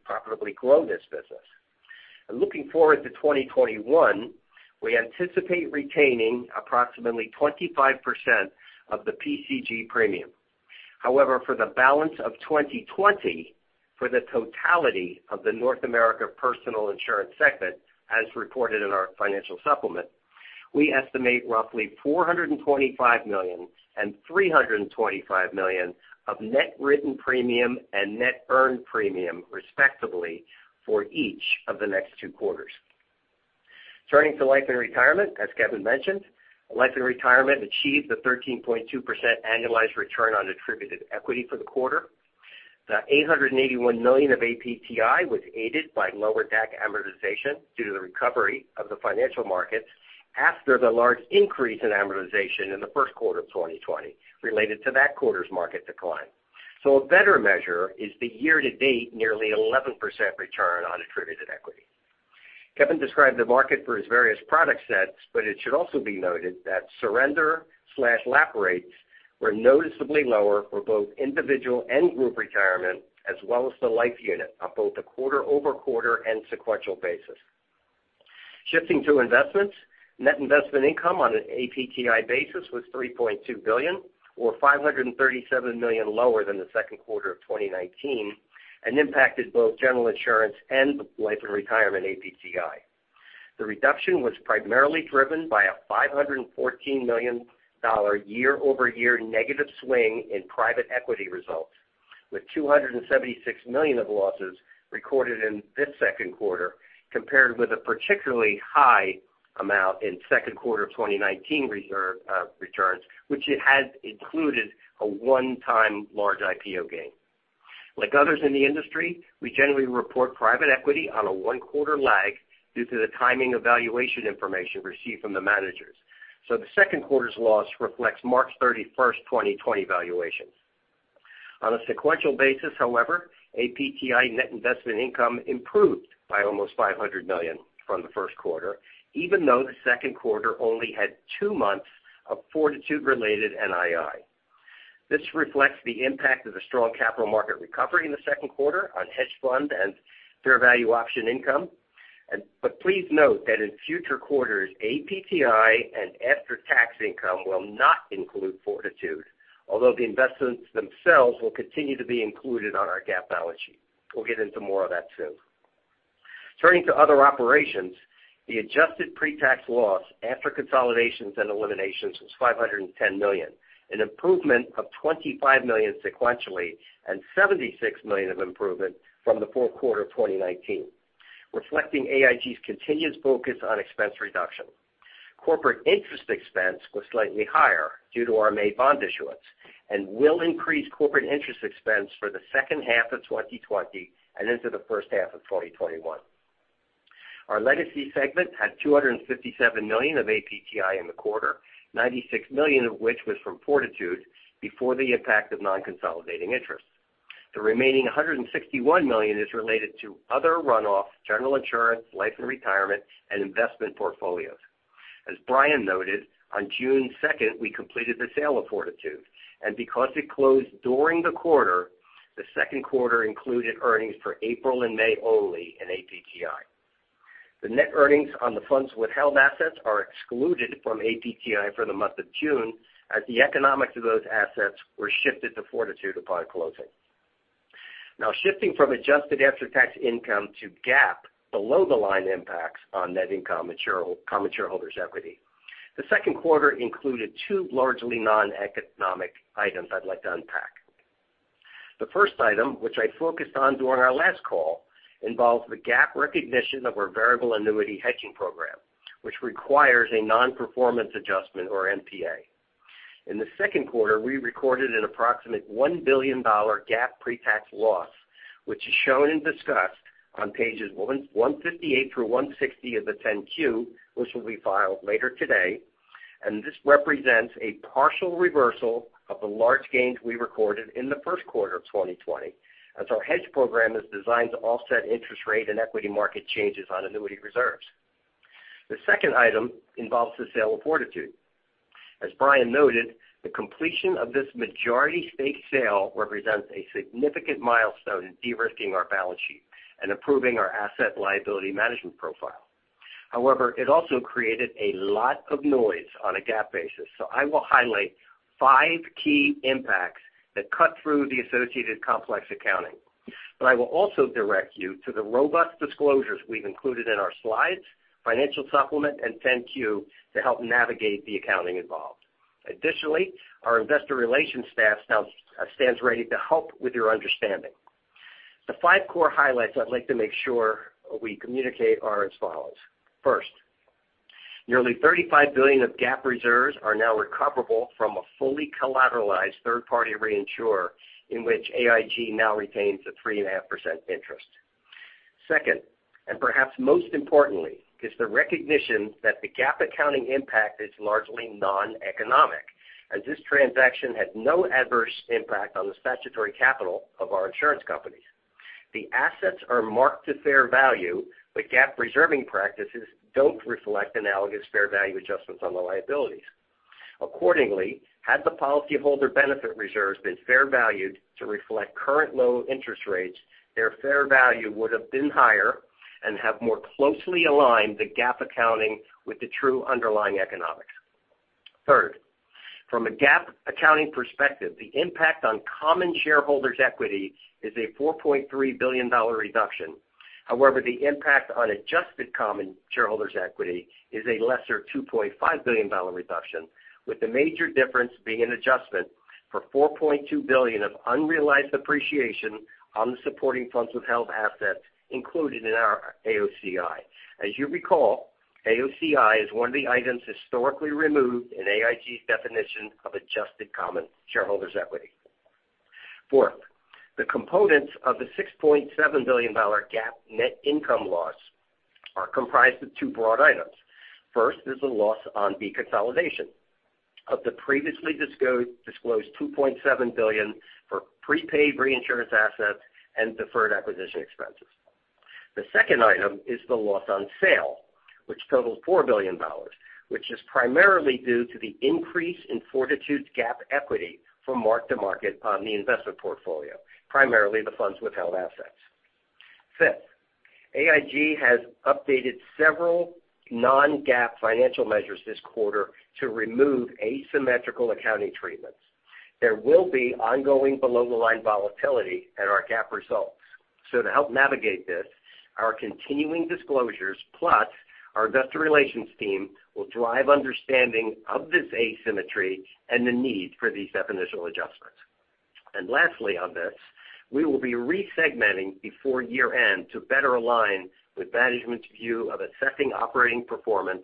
Speaker 6: grow this business. Looking forward to 2021, we anticipate retaining approximately 25% of the PCG premium. However, for the balance of 2020, for the totality of the North America Personal Insurance segment, as reported in our financial supplement, we estimate roughly $425 million and $325 million of net written premium and net earned premium, respectively, for each of the next two quarters. Turning to Life & Retirement, as Kevin mentioned, Life & Retirement achieved a 13.2% annualized return on attributed equity for the quarter. The $881 million of APTI was aided by lower DAC amortization due to the recovery of the financial markets after the large increase in amortization in the first quarter of 2020 related to that quarter's market decline. A better measure is the year-to-date nearly 11% return on attributed equity. Kevin described the market for his various product sets, but it should also be noted that surrender/lapse rates were noticeably lower for both Individual Retirement and Group Retirement, as well as the Life unit on both a quarter-over-quarter and sequential basis. Shifting to investments, net investment income on an APTI basis was $3.2 billion, or $537 million lower than the second quarter of 2019, and impacted both General Insurance and Life and Retirement APTI. The reduction was primarily driven by a $514 million year-over-year negative swing in private equity results, with $276 million of losses recorded in this second quarter, compared with a particularly high amount in second quarter 2019 returns, which had included a one-time large IPO gain. Like others in the industry, we generally report private equity on a one-quarter lag due to the timing of valuation information received from the managers. The second quarter's loss reflects March 31st, 2020 valuations. On a sequential basis, however, APTI net investment income improved by almost $500 million from the first quarter, even though the second quarter only had two months of Fortitude-related NII. This reflects the impact of the strong capital market recovery in the second quarter on hedge fund and fair value option income. Please note that in future quarters, APTI and after-tax income will not include Fortitude, although the investments themselves will continue to be included on our GAAP balance sheet. We'll get into more of that soon. Turning to other operations, the adjusted pre-tax loss after consolidations and eliminations was $510 million, an improvement of $25 million sequentially and $76 million of improvement from the fourth quarter of 2019, reflecting AIG's continuous focus on expense reduction. Corporate interest expense was slightly higher due to our May bond issuance and will increase corporate interest expense for the second half of 2020 and into the first half of 2021. Our legacy segment had $257 million of APTI in the quarter, $96 million of which was from Fortitude before the impact of non-consolidating interest. The remaining $161 million is related to other runoff, General Insurance, Life and Retirement, and investment portfolios. As Brian noted, on June 2nd, we completed the sale of Fortitude, and because it closed during the quarter, the second quarter included earnings for April and May only in APTI. The net earnings on the funds withheld assets are excluded from APTI for the month of June, as the economics of those assets were shifted to Fortitude upon closing. Now, shifting from adjusted after-tax income to GAAP below-the-line impacts on net income common shareholders' equity. The second quarter included two largely non-economic items I'd like to unpack. The first item, which I focused on during our last call, involves the GAAP recognition of our variable annuity hedging program, which requires a non-performance adjustment or NPA. In the second quarter, we recorded an approximate $1 billion GAAP pre-tax loss, which is shown and discussed on pages 158 through 160 of the 10-Q, which will be filed later today. This represents a partial reversal of the large gains we recorded in the first quarter of 2020, as our hedge program is designed to offset interest rate and equity market changes on annuity reserves. The second item involves the sale of Fortitude. As Brian noted, the completion of this majority stake sale represents a significant milestone in de-risking our balance sheet and improving our asset liability management profile. However, it also created a lot of noise on a GAAP basis. I will highlight five key impacts that cut through the associated complex accounting. I will also direct you to the robust disclosures we've included in our slides, financial supplement, and 10-Q to help navigate the accounting involved. Additionally, our investor relations staff stands ready to help with your understanding. The five core highlights I'd like to make sure we communicate are as follows. First, nearly $35 billion of GAAP reserves are now recoverable from a fully collateralized third-party reinsurer, in which AIG now retains a 3.5% interest. Second, and perhaps most importantly, is the recognition that the GAAP accounting impact is largely non-economic, as this transaction had no adverse impact on the statutory capital of our insurance companies. The assets are marked to fair value, but GAAP reserving practices don't reflect analogous fair value adjustments on the liabilities. Accordingly, had the policyholder benefit reserves been fair valued to reflect current low interest rates, their fair value would have been higher and have more closely aligned the GAAP accounting with the true underlying economics. Third, from a GAAP accounting perspective, the impact on common shareholders' equity is a $4.3 billion reduction. However, the impact on adjusted common shareholders' equity is a lesser $2.5 billion reduction, with the major difference being an adjustment for $4.2 billion of unrealized appreciation on the supporting funds withheld assets included in our AOCI. As you recall, AOCI is one of the items historically removed in AIG's definition of adjusted common shareholders' equity. Fourth, the components of the $6.7 billion GAAP net income loss are comprised of two broad items. First is the loss on deconsolidation of the previously disclosed $2.7 billion for prepaid reinsurance assets and deferred acquisition expenses. The second item is the loss on sale, which totals $4 billion, which is primarily due to the increase in Fortitude's GAAP equity from mark-to-market on the investment portfolio, primarily the funds withheld assets. Fifth, AIG has updated several non-GAAP financial measures this quarter to remove asymmetrical accounting treatments. There will be ongoing below-the-line volatility in our GAAP results. To help navigate this, our continuing disclosures, plus our investor relations team, will drive understanding of this asymmetry and the need for these definitional adjustments. Lastly on this, we will be re-segmenting before year-end to better align with management's view of assessing operating performance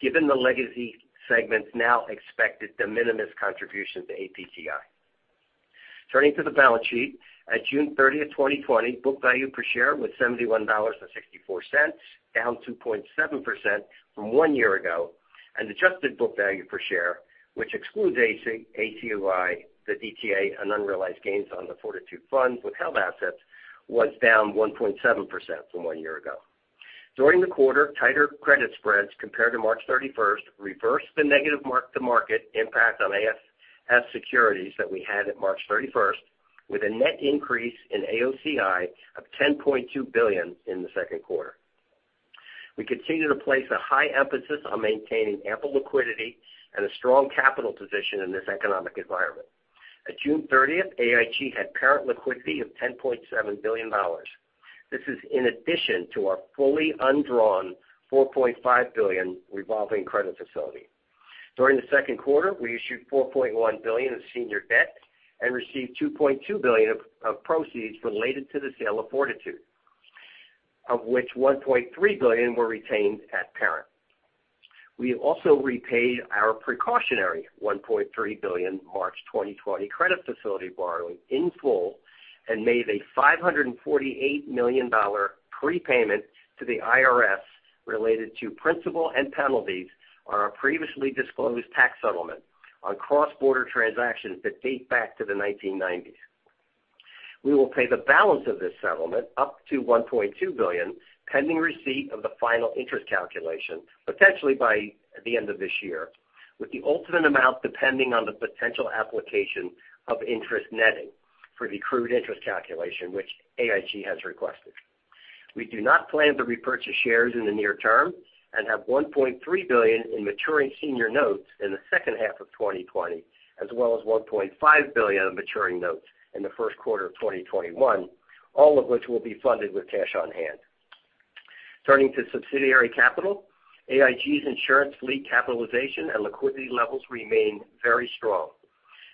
Speaker 6: given the legacy segment's now expected de minimis contribution to APTI. Turning to the balance sheet, at June 30th, 2020, book value per share was $71.64, down 2.7% from one year ago, and adjusted book value per share, which excludes AOCI, the DTA, and unrealized gains on the Fortitude funds withheld assets, was down 1.7% from one year ago. During the quarter, tighter credit spreads compared to March 31st reversed the negative mark-to-market impact on AFS securities that we had at March 31st, with a net increase in AOCI of $10.2 billion in the second quarter. We continue to place a high emphasis on maintaining ample liquidity and a strong capital position in this economic environment. At June 30th, AIG had parent liquidity of $10.7 billion. This is in addition to our fully undrawn $4.5 billion revolving credit facility. During the second quarter, we issued $4.1 billion of senior debt and received $2.2 billion of proceeds related to the sale of Fortitude, of which $1.3 billion were retained at parent. We also repaid our precautionary $1.3 billion March 2020 credit facility borrowing in full and made a $548 million prepayment to the IRS related to principal and penalties on our previously disclosed tax settlement on cross-border transactions that date back to the 1990s. We will pay the balance of this settlement up to $1.2 billion, pending receipt of the final interest calculation, potentially by the end of this year, with the ultimate amount depending on the potential application of interest netting for the accrued interest calculation, which AIG has requested. We do not plan to repurchase shares in the near term and have $1.3 billion in maturing senior notes in the second half of 2020, as well as $1.5 billion of maturing notes in the first quarter of 2021, all of which will be funded with cash on hand. Turning to subsidiary capital, AIG's insurance fleet capitalization and liquidity levels remain very strong.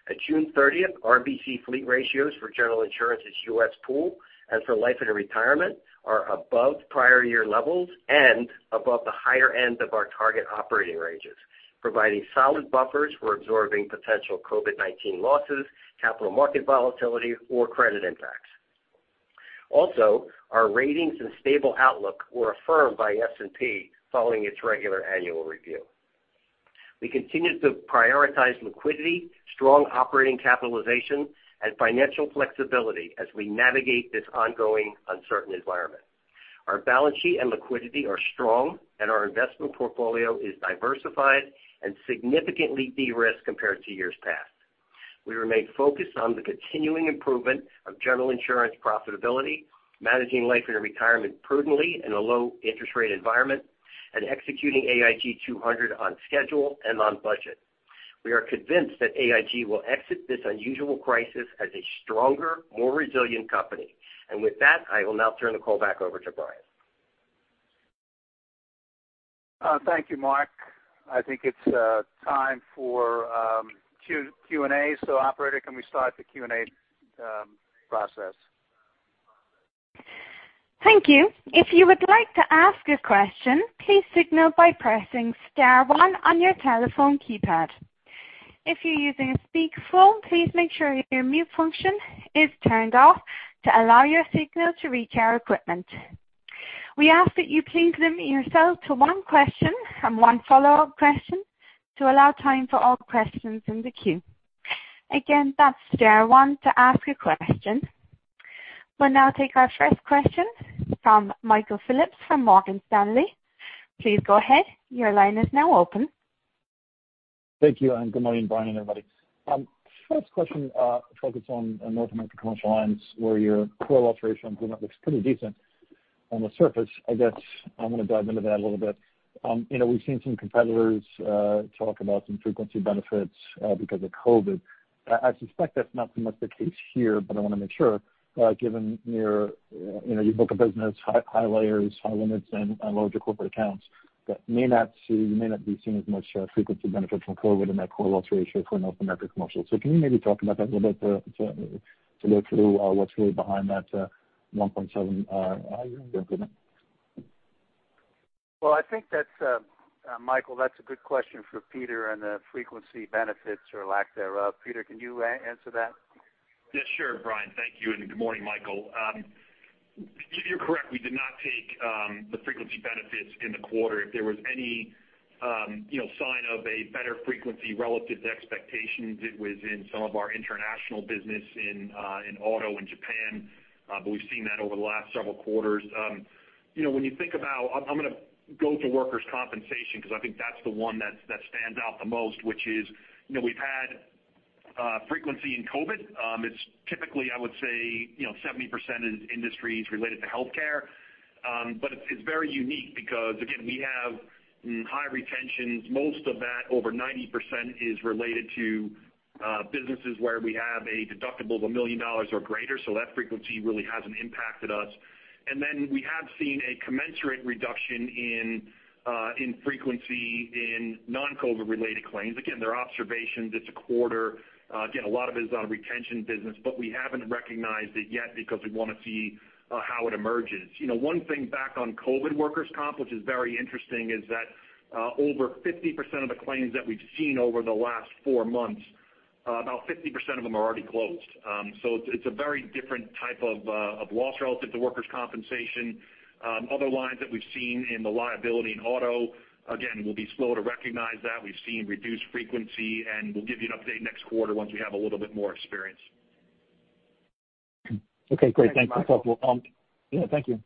Speaker 6: At June 30th, RBC fleet ratios for General Insurance's U.S. pool and for Life and Retirement are above prior year levels and above the higher end of our target operating ranges, providing solid buffers for absorbing potential COVID-19 losses, capital market volatility, or credit impacts. Also, our ratings and stable outlook were affirmed by S&P following its regular annual review. We continue to prioritize liquidity, strong operating capitalization, and financial flexibility as we navigate this ongoing uncertain environment. Our balance sheet and liquidity are strong, and our investment portfolio is diversified and significantly de-risked compared to years past. We remain focused on the continuing improvement of General Insurance profitability, managing Life and Retirement prudently in a low interest rate environment, and executing AIG 200 on schedule and on budget. We are convinced that AIG will exit this unusual crisis as a stronger, more resilient company. With that, I will now turn the call back over to Brian.
Speaker 3: Thank you, Mark. I think it's time for Q&A. Operator, can we start the Q&A process?
Speaker 1: Thank you. If you would like to ask a question, please signal by pressing star one on your telephone keypad. If you're using a speak phone, please make sure your mute function is turned off to allow your signal to reach our equipment. We ask that you please limit yourself to one question and one follow-up question to allow time for all questions in the queue. Again, that's star one to ask a question. We'll now take our first question from Michael Phillips from Morgan Stanley. Please go ahead. Your line is now open.
Speaker 7: Thank you, and good morning, Brian, everybody. First question focuses on North America Commercial Lines, where your core ratio improvement looks pretty decent on the surface. I guess I'm going to dive into that a little bit. We've seen some competitors talk about some frequency benefits because of COVID-19. I suspect that's not so much the case here, but I want to make sure, given your book of business, high layers, high limits, and larger corporate accounts, that you may not be seeing as much frequency benefit from COVID-19 in that core loss ratio for North America Commercial. Can you maybe talk about that a little bit to go through what's really behind that 1.7 improvement?
Speaker 3: Well, I think, Michael, that's a good question for Peter on the frequency benefits or lack thereof. Peter, can you answer that?
Speaker 4: Yes, sure, Brian. Thank you, and good morning, Michael. You're correct. We did not take the frequency benefits in the quarter. If there was any sign of a better frequency relative to expectations, it was in some of our international business in auto in Japan. We've seen that over the last several quarters. I'm going to go to workers' compensation because I think that's the one that stands out the most, which is we've had frequency in COVID. It's typically, I would say, 70% in industries related to healthcare. It's very unique because, again, we have high retentions. Most of that, over 90%, is related to businesses where we have a deductible of $1 million or greater. That frequency really hasn't impacted us. We have seen a commensurate reduction in frequency in non-COVID related claims. Again, they're observations. It's a quarter. Again, a lot of it is on retention business, but we haven't recognized it yet because we want to see how it emerges. One thing back on COVID workers' comp, which is very interesting, is that over 50% of the claims that we've seen over the last four months, about 50% of them are already closed. It's a very different type of loss relative to workers' compensation. Other lines that we've seen in the liability and auto, again, we'll be slow to recognize that. We've seen reduced frequency, and we'll give you an update next quarter once we have a little bit more experience.
Speaker 7: Okay, great. Thanks.
Speaker 3: Thanks, Michael.
Speaker 7: Thank you.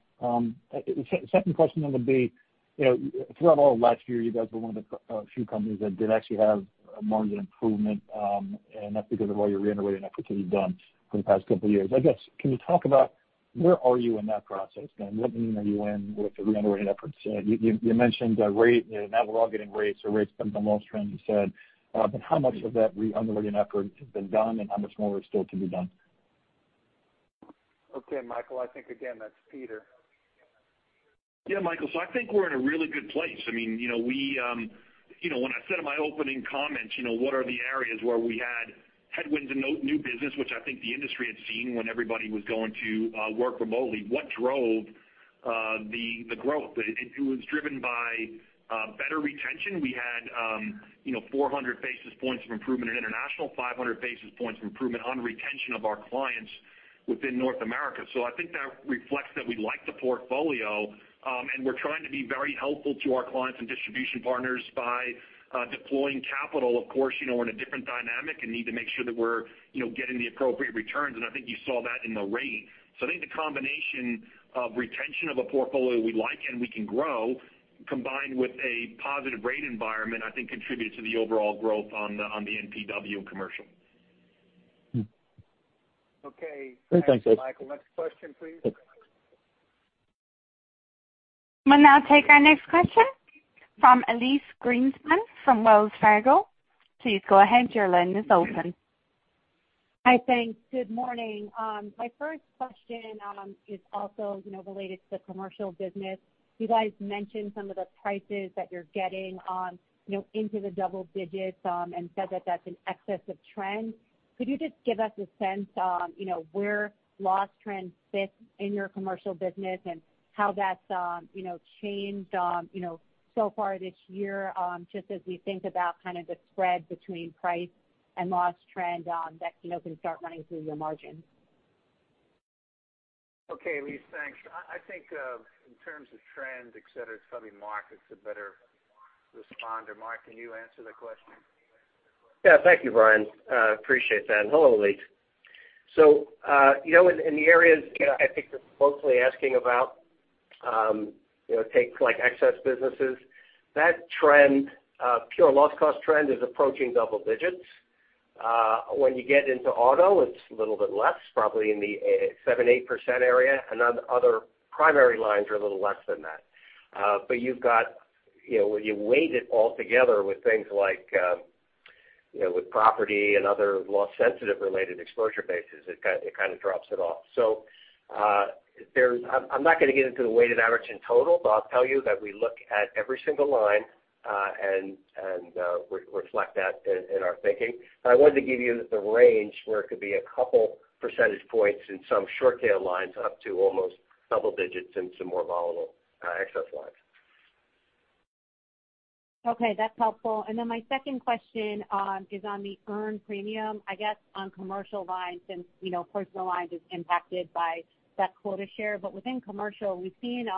Speaker 7: Second question would be, throughout all of last year, you guys were one of the few companies that did actually have a margin improvement, That's because of all your re-underwriting efforts that you've done for the past couple of years. I guess, can you talk about where are you in that process, What mean are you in with the re-underwriting efforts? You mentioned rate, not we're all getting rates or rates from the loss trends you said, How much of that re-underwriting effort has been done, How much more work still to be done?
Speaker 3: Okay, Michael. I think, again, that's Peter.
Speaker 4: Yeah, Michael. I think we're in a really good place. When I said in my opening comments, what are the areas where we had headwinds in new business, which I think the industry had seen when everybody was going to work remotely, what drove the growth? It was driven by better retention. We had 400 basis points of improvement in international, 500 basis points of improvement on retention of our clients within North America. I think that reflects that we like the portfolio, and we're trying to be very helpful to our clients and distribution partners by deploying capital. Of course, we're in a different dynamic and need to make sure that we're getting the appropriate returns, and I think you saw that in the rate. I think the combination of retention of a portfolio we like and we can grow, combined with a positive rate environment, I think contributes to the overall growth on the NPW commercial.
Speaker 3: Okay.
Speaker 7: Thanks, guys.
Speaker 3: Thanks, Michael. Next question, please.
Speaker 1: We'll now take our next question from Elyse Greenspan from Wells Fargo. Please go ahead, your line is open.
Speaker 8: Hi, thanks. Good morning. My first question is also related to the commercial business. You guys mentioned some of the prices that you're getting into the double digits, and said that that's an excess of trend. Could you just give us a sense on where loss trend fits in your commercial business and how that's changed so far this year, just as we think about kind of the spread between price and loss trend that can start running through your margin?
Speaker 3: Okay, Elyse, thanks. I think in terms of trends, et cetera, probably Mark is a better responder. Mark, can you answer the question?
Speaker 6: Yeah. Thank you, Brian. Appreciate that. Hello, Elyse. In the areas I think you're mostly asking about, take like excess businesses, that trend, pure loss cost trend is approaching double digits. When you get into auto, it's a little bit less, probably in the 78% area, and other primary lines are a little less than that. When you weight it all together with things like with property and other loss sensitive related exposure bases, it kind of drops it off. I'm not going to get into the weighted average in total, but I'll tell you that we look at every single line, and reflect that in our thinking. I wanted to give you the range where it could be a couple percentage points in some short tail lines up to almost double digits in some more volatile excess lines.
Speaker 8: Okay, that's helpful. My second question is on the earned premium, I guess on commercial lines, since personal lines is impacted by that quota share. Within commercial, we've seen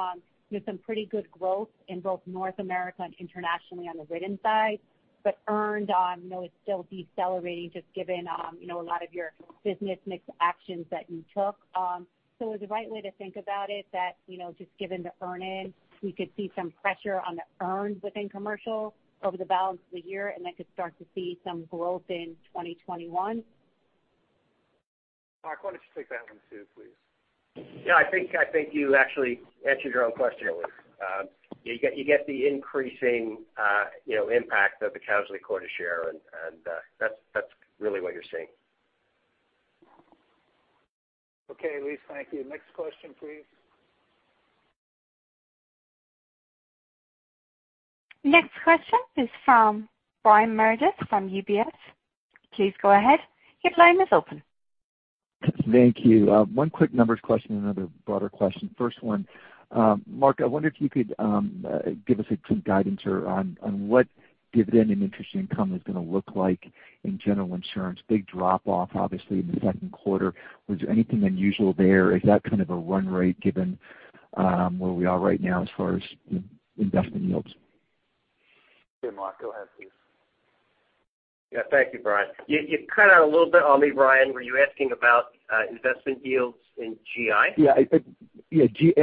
Speaker 8: some pretty good growth in both North America and internationally on the written side, but earned is still decelerating, just given a lot of your business mix actions that you took. Is the right way to think about it that just given the earn in, we could see some pressure on the earned within commercial over the balance of the year, and then could start to see some growth in 2021?
Speaker 3: Mark, why don't you take that one too, please?
Speaker 6: Yeah, I think you actually answered your own question, Elyse. You get the increasing impact of the casualty quota share, and that's really what you're seeing.
Speaker 3: Okay, Elyse, thank you. Next question, please.
Speaker 1: Next question is from Brian Meredith from UBS. Please go ahead. Your line is open.
Speaker 9: Thank you. One quick numbers question, another broader question. First one, Mark, I wonder if you could give us some guidance here on what dividend and interest income is going to look like in General Insurance. Big drop-off, obviously, in the second quarter. Was there anything unusual there? Is that kind of a run rate given where we are right now as far as investment yields?
Speaker 3: Okay, Mark, go ahead, please.
Speaker 6: Yeah. Thank you, Brian. You cut out a little bit on me, Brian. Were you asking about investment yields in GI?
Speaker 9: Yeah.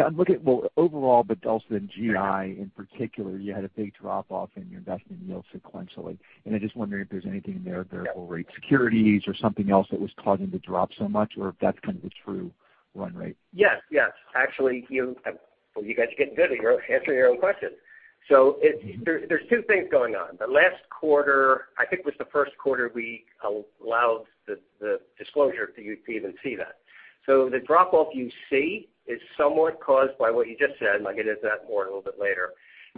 Speaker 9: I'm looking at, well, overall, but also in GI in particular, you had a big drop-off in your investment yield sequentially, and I just wonder if there's anything in there variable rate securities or something else that was causing the drop so much, or if that's kind of a true run rate.
Speaker 6: Yes. Actually, well, you guys are getting good at answering your own questions. There's two things going on. The last quarter, I think was the first quarter we allowed the disclosure for you to even see that. The drop-off you see is somewhat caused by what you just said, and I'll get into that more a little bit later.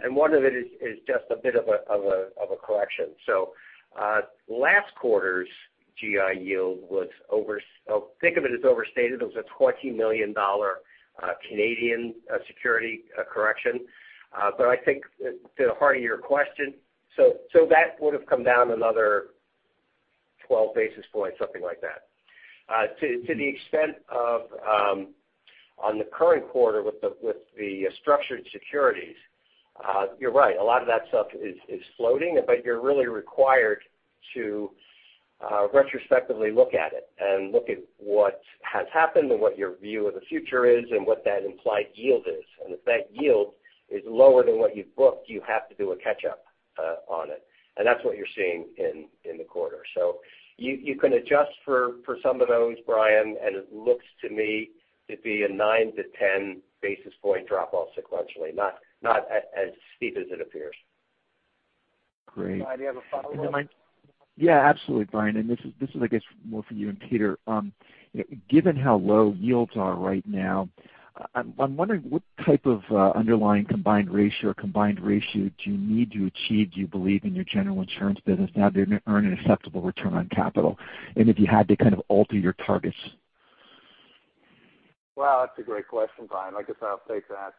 Speaker 6: One of it is just a bit of a correction. Last quarter's GI yield was, think of it as overstated. It was a 20 million Canadian dollars Canadian security correction. I think to the heart of your question, that would've come down another 12 basis points, something like that. To the extent of on the current quarter with the structured securities, you're right, a lot of that stuff is floating, but you're really required to retrospectively look at it and look at what has happened and what your view of the future is and what that implied yield is. If that yield is lower than what you've booked, you have to do a catch-up on it. That's what you're seeing in the quarter. You can adjust for some of those, Brian, and it looks to me to be a 9 to 10 basis point drop-off sequentially, not as steep as it appears.
Speaker 9: Great.
Speaker 3: Brian, do you have a follow-up?
Speaker 9: Yeah, absolutely, Brian, this is, I guess more for you and Peter. Given how low yields are right now, I'm wondering what type of underlying combined ratio do you need to achieve, do you believe in your General Insurance business now to earn an acceptable return on capital, and if you had to kind of alter your targets?
Speaker 3: Well, that's a great question, Brian. I guess I'll take that.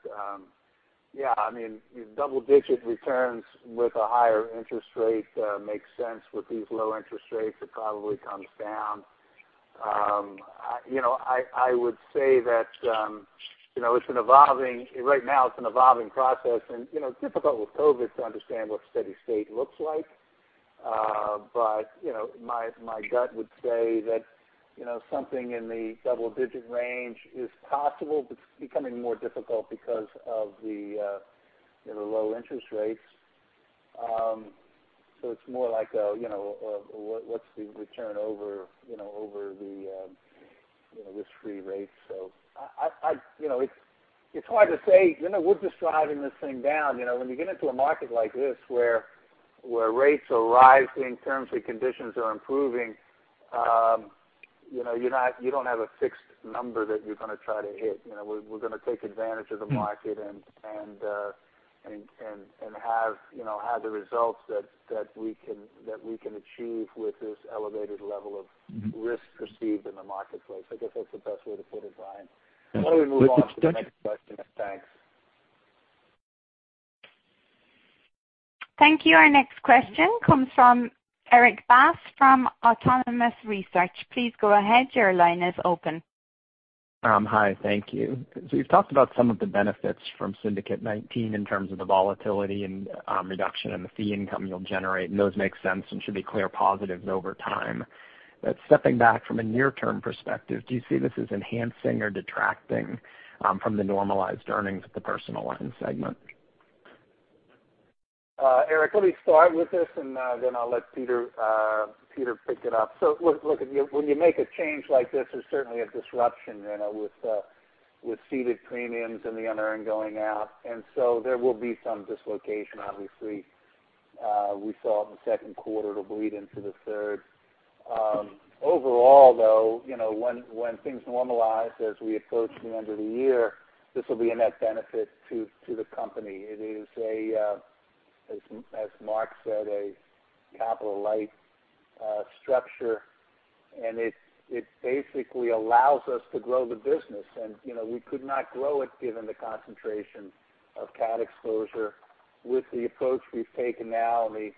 Speaker 3: Double-digit returns with a higher interest rate makes sense. With these low interest rates, it probably comes down. I would say that right now it's an evolving process, and it's difficult with COVID-19 to understand what steady state looks like. My gut would say that something in the double-digit range is possible, but it's becoming more difficult because of the low interest rates. It's more like, what's the return over the risk-free rate? It's hard to say. We're just driving this thing down. When you get into a market like this, where rates are rising, terms and conditions are improving, you don't have a fixed number that you're going to try to hit. We're going to take advantage of the market and have the results that we can achieve with this elevated level of risk perceived in the marketplace. I guess that's the best way to put it, Brian. Why don't we move on to the next question?
Speaker 9: Thanks.
Speaker 1: Thank you. Our next question comes from Erik Bass from Autonomous Research. Please go ahead. Your line is open.
Speaker 10: Hi. Thank you. You've talked about some of the benefits from Syndicate 2019 in terms of the volatility and reduction in the fee income you'll generate, and those make sense and should be clear positives over time. Stepping back from a near-term perspective, do you see this as enhancing or detracting from the normalized earnings of the personal line segment?
Speaker 3: Erik, let me start with this, and then I'll let Peter pick it up. Look, when you make a change like this, there's certainly a disruption, with ceded premiums and the unearned going out. There will be some dislocation, obviously. We saw it in the second quarter. It'll bleed into the third. Overall, though, when things normalize as we approach the end of the year, this will be a net benefit to the company. It is, as Mark said, a capital-light structure, and it basically allows us to grow the business. We could not grow it given the concentration of cat exposure. With the approach we've taken now and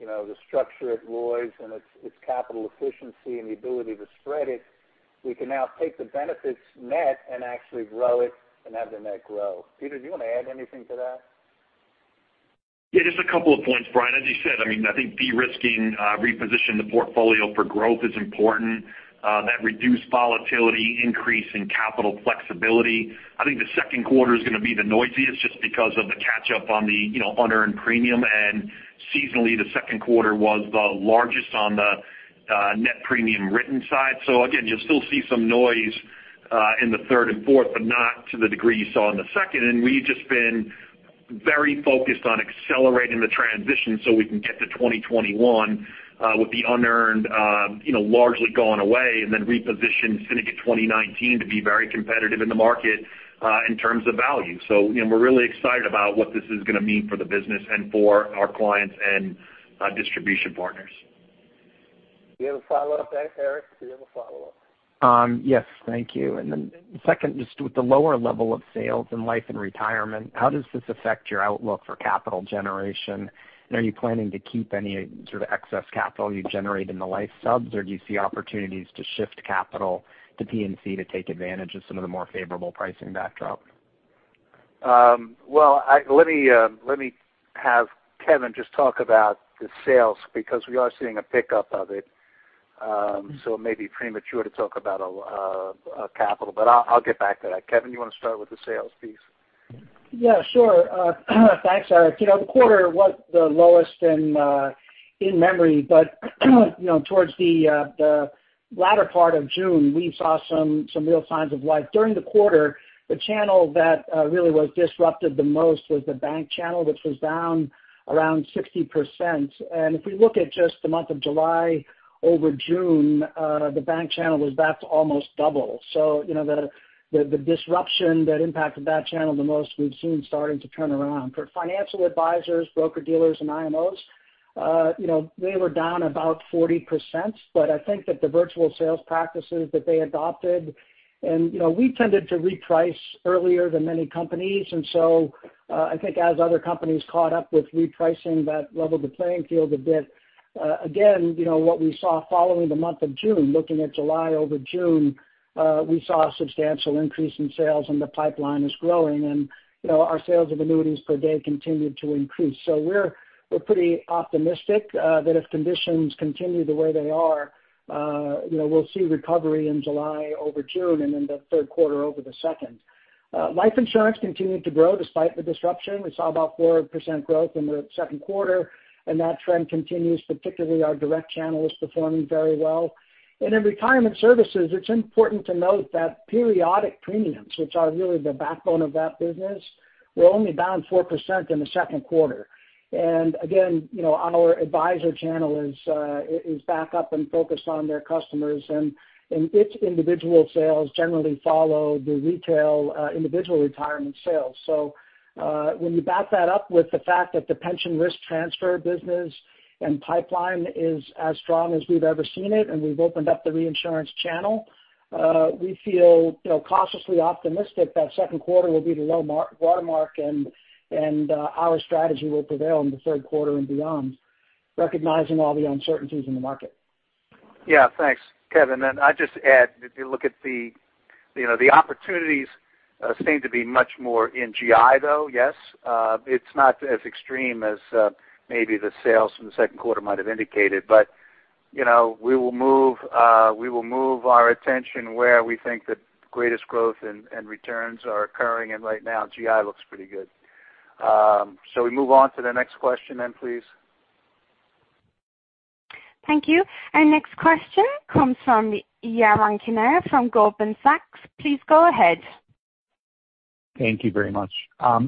Speaker 3: the structure at Lloyd's and its capital efficiency and the ability to spread it, we can now take the benefits net and actually grow it and have the net grow. Peter, do you want to add anything to that?
Speaker 4: Yeah, just a couple of points, Brian. As you said, I think de-risking, repositioning the portfolio for growth is important. That reduced volatility increase in capital flexibility. I think the second quarter is going to be the noisiest just because of the catch-up on the unearned premium, and seasonally, the second quarter was the largest on the net premium written side. Again, you'll still see some noise in the third and fourth, but not to the degree you saw in the second. We've just been very focused on accelerating the transition so we can get to 2021 with the unearned largely gone away and then reposition Syndicate 2019 to be very competitive in the market in terms of value. We're really excited about what this is going to mean for the business and for our clients and our distribution partners.
Speaker 3: Do you have a follow-up, Erik? Do you have a follow-up?
Speaker 10: Yes. Thank you. Second, just with the lower level of sales in Life and Retirement, how does this affect your outlook for capital generation? Are you planning to keep any sort of excess capital you generate in the life subs, or do you see opportunities to shift capital to P&C to take advantage of some of the more favorable pricing backdrop?
Speaker 3: Well, let me have Kevin just talk about the sales because we are seeing a pickup of it. It may be premature to talk about capital, but I'll get back to that. Kevin, you want to start with the sales piece?
Speaker 5: Yeah, sure. Thanks, Erik. The quarter was the lowest in memory, towards the latter part of June, we saw some real signs of life. During the quarter, the channel that really was disrupted the most was the bank channel, which was down around 60%. If we look at just the month of July over June, the bank channel was back to almost double. The disruption that impacted that channel the most we've seen starting to turn around. For financial advisors, broker-dealers, and IMOs, they were down about 40%, but I think that the virtual sales practices that they adopted, and we tended to reprice earlier than many companies. I think as other companies caught up with repricing, that leveled the playing field a bit. Again, what we saw following the month of June, looking at July over June, we saw a substantial increase in sales, and the pipeline is growing. Our sales of annuities per day continued to increase. We're pretty optimistic that if conditions continue the way they are, we'll see recovery in July over June and in the third quarter over the second. Life insurance continued to grow despite the disruption. We saw about 4% growth in the second quarter, and that trend continues, particularly our direct channel is performing very well. In retirement services, it's important to note that periodic premiums, which are really the backbone of that business, were only down 4% in the second quarter. Again, our advisor channel is back up and focused on their customers, and its individual sales generally follow the retail Individual Retirement sales. When you back that up with the fact that the pension risk transfer business and pipeline is as strong as we've ever seen it, and we've opened up the reinsurance channel, we feel cautiously optimistic that second quarter will be the low watermark and our strategy will prevail in the third quarter and beyond, recognizing all the uncertainties in the market.
Speaker 3: Yeah, thanks, Kevin. I'd just add, if you look at the opportunities seem to be much more in GI, though, yes. It's not as extreme as maybe the sales from the second quarter might have indicated. We will move our attention where we think the greatest growth and returns are occurring, and right now GI looks pretty good. Shall we move on to the next question then, please?
Speaker 1: Thank you. Our next question comes from Yaron Kinar from Goldman Sachs. Please go ahead.
Speaker 11: Thank you very much. A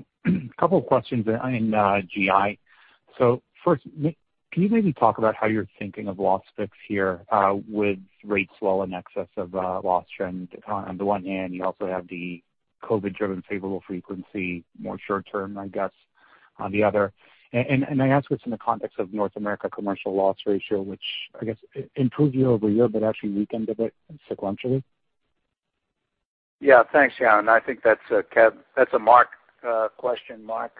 Speaker 11: couple of questions in GI. First, can you maybe talk about how you're thinking of loss picks here with rates well in excess of loss trend on the one hand, you also have the COVID-driven favorable frequency, more short term, I guess, on the other. I ask this in the context of North America commercial loss ratio, which I guess improved year-over-year, but actually weakened a bit sequentially.
Speaker 3: Yeah, thanks, Yaron. I think that's a Mark question. Mark.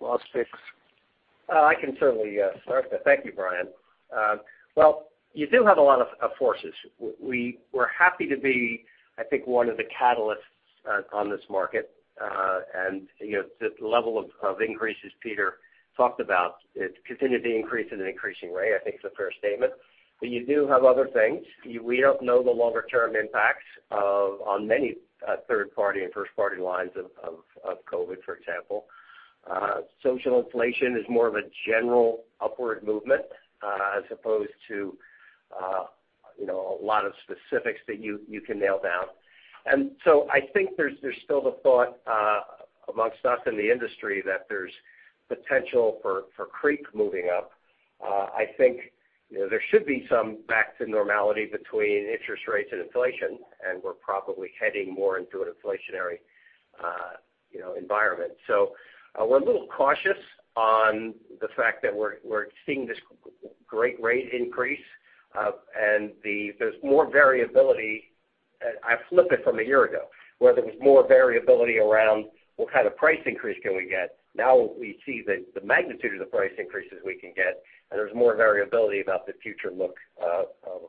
Speaker 3: Loss fix.
Speaker 6: I can certainly start that. Thank you, Brian. Well, you do have a lot of forces. We're happy to be, I think, one of the catalysts on this market. The level of increases Peter talked about, it continued to increase at an increasing rate. I think it's a fair statement. You do have other things. We don't know the longer-term impacts on many third-party and first-party lines of COVID, for example. Social inflation is more of a general upward movement as opposed to a lot of specifics that you can nail down. I think there's still the thought amongst us in the industry that there's potential for CRE moving up. I think there should be some back to normality between interest rates and inflation, and we're probably heading more into an inflationary environment. We're a little cautious on the fact that we're seeing this great rate increase, and there's more variability. I flip it from a year ago where there was more variability around what kind of price increase can we get. Now we see the magnitude of the price increases we can get, and there's more variability about the future look of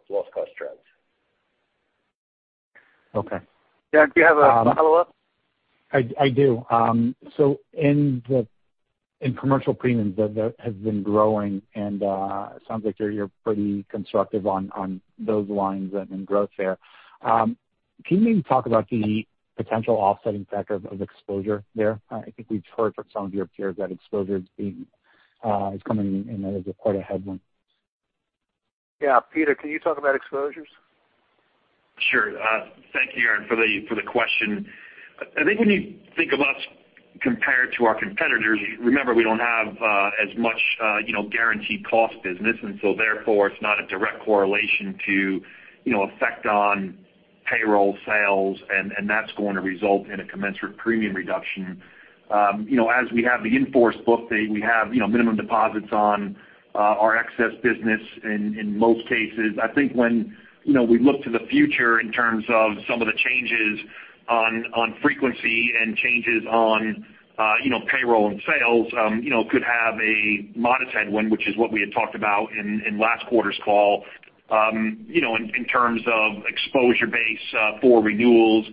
Speaker 6: loss cost trends.
Speaker 11: Okay.
Speaker 3: Yaron, do you have a follow-up?
Speaker 11: I do. In commercial premiums that have been growing, and it sounds like you're pretty constructive on those lines and in growth there. Can you maybe talk about the potential offsetting factor of exposure there? I think we've heard from some of your peers that exposure is coming in as quite a headwind.
Speaker 3: Yeah. Peter, can you talk about exposures?
Speaker 4: Sure. Thank you, Yaron, for the question. I think when you think of us compared to our competitors, remember, we don't have as much guaranteed cost business, and so therefore, it's not a direct correlation to effect on payroll and sales, and that's going to result in a commensurate premium reduction. As we have the in-force book, we have minimum deposits on our excess business in most cases. I think when we look to the future in terms of some of the changes on frequency and changes on payroll and sales could have a modest headwind, which is what we had talked about in last quarter's call in terms of exposure base for renewals,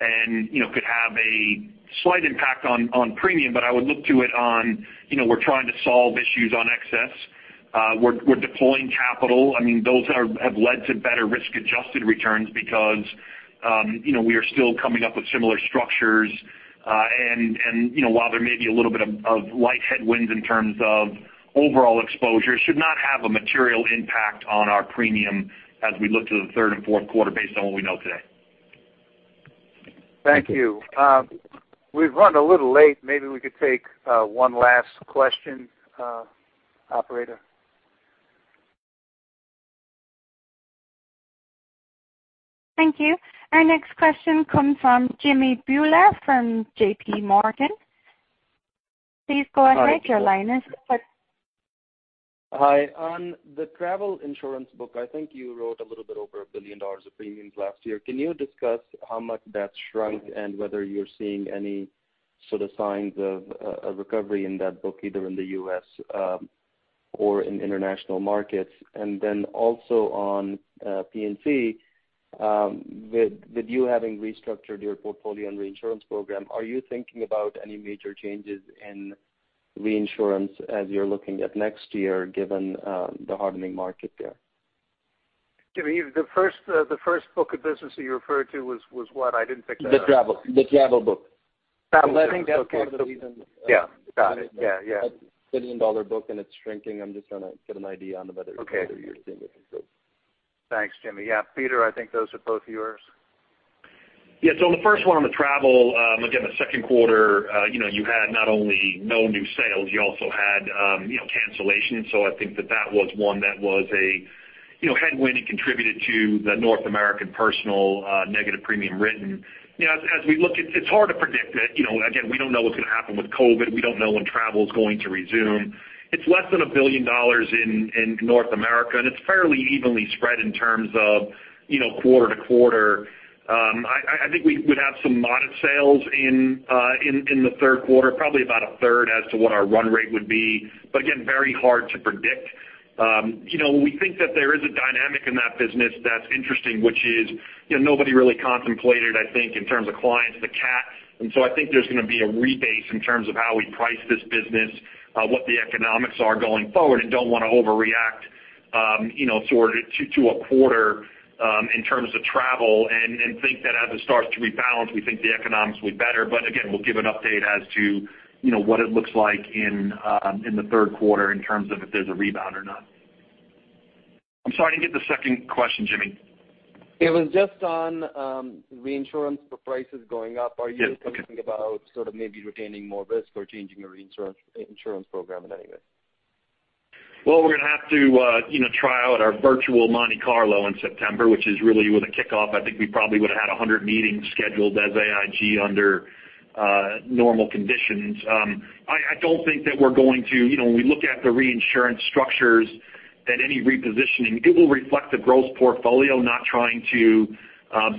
Speaker 4: and could have a slight impact on premium. I would look to it on we're trying to solve issues on excess. We're deploying capital. Those have led to better risk-adjusted returns because we are still coming up with similar structures. While there may be a little bit of light headwinds in terms of overall exposure, should not have a material impact on our premium as we look to the third and fourth quarter based on what we know today.
Speaker 3: Thank you. We've run a little late. Maybe we could take one last question, operator.
Speaker 1: Thank you. Our next question comes from Jimmy Bhullar from J.P. Morgan. Please go ahead, your line is open.
Speaker 12: Hi. On the travel insurance book, I think you wrote a little bit over $1 billion of premiums last year. Can you discuss how much that shrunk and whether you're seeing any sort of signs of a recovery in that book, either in the U.S. or in international markets. Also on P&C, with you having restructured your portfolio and reinsurance program, are you thinking about any major changes in reinsurance as you're looking at next year, given the hardening market there?
Speaker 3: Jimmy, the first book of business that you referred to was what? I didn't pick that up.
Speaker 12: The travel book.
Speaker 3: Travel book, okay.
Speaker 12: I think that's one of the reasons.
Speaker 3: Yeah. Got it. Yeah.
Speaker 12: it's a billion-dollar book and it's shrinking. I'm just trying to get an idea on whether.
Speaker 3: Okay
Speaker 12: you're seeing it or not.
Speaker 3: Thanks, Jimmy. Yeah, Peter, I think those are both yours.
Speaker 4: The first one on the travel, again, the second quarter, you had not only no new sales, you also had cancellations. It contributed to the North American personal negative premium written. As we look, it's hard to predict. Again, we don't know what's going to happen with COVID-19. We don't know when travel's going to resume. It's less than $1 billion in North America, and it's fairly evenly spread in terms of quarter to quarter. I think we would have some modest sales in the third quarter, probably about a third as to what our run rate would be. Again, very hard to predict. We think that there is a dynamic in that business that's interesting, which is nobody really contemplated, I think, in terms of clients, the CAT. I think there's going to be a rebase in terms of how we price this business, what the economics are going forward. Don't want to overreact to a quarter in terms of travel. Think that as it starts to rebalance, we think the economics will be better. Again, we'll give an update as to what it looks like in the third quarter in terms of if there's a rebound or not. I'm sorry, I didn't get the second question, Jimmy.
Speaker 12: It was just on reinsurance for prices going up.
Speaker 4: Yes, okay.
Speaker 12: thinking about maybe retaining more risk or changing your reinsurance insurance program in any way?
Speaker 4: Well, we're going to have to try out our virtual Monte Carlo in September, which is really with a kickoff. I think we probably would've had 100 meetings scheduled as AIG under normal conditions. I don't think that when we look at the reinsurance structures, that any repositioning, it will reflect the growth portfolio, not trying to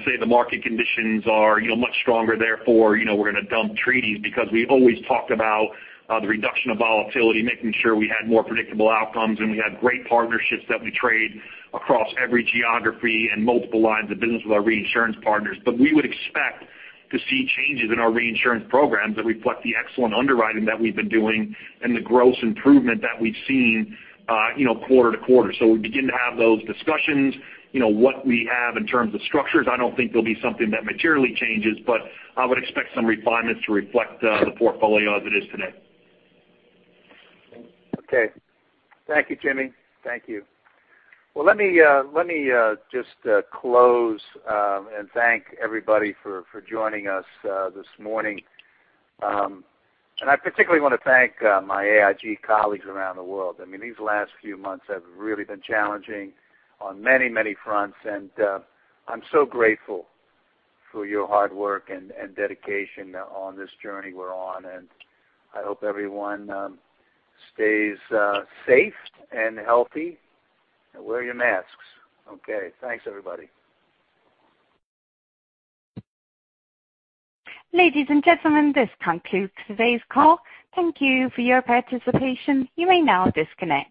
Speaker 4: say the market conditions are much stronger, therefore, we're going to dump treaties because we've always talked about the reduction of volatility, making sure we had more predictable outcomes, and we had great partnerships that we trade across every geography and multiple lines of business with our reinsurance partners. We would expect to see changes in our reinsurance programs that reflect the excellent underwriting that we've been doing and the gross improvement that we've seen quarter-to-quarter. We begin to have those discussions. What we have in terms of structures, I don't think there'll be something that materially changes, but I would expect some refinements to reflect the portfolio as it is today.
Speaker 3: Okay. Thank you, Jimmy.
Speaker 12: Thank you.
Speaker 3: Well, let me just close and thank everybody for joining us this morning. I particularly want to thank my AIG colleagues around the world. These last few months have really been challenging on many fronts, and I'm so grateful for your hard work and dedication on this journey we're on, and I hope everyone stays safe and healthy, and wear your masks. Okay. Thanks, everybody.
Speaker 1: Ladies and gentlemen, this concludes today's call. Thank you for your participation. You may now disconnect.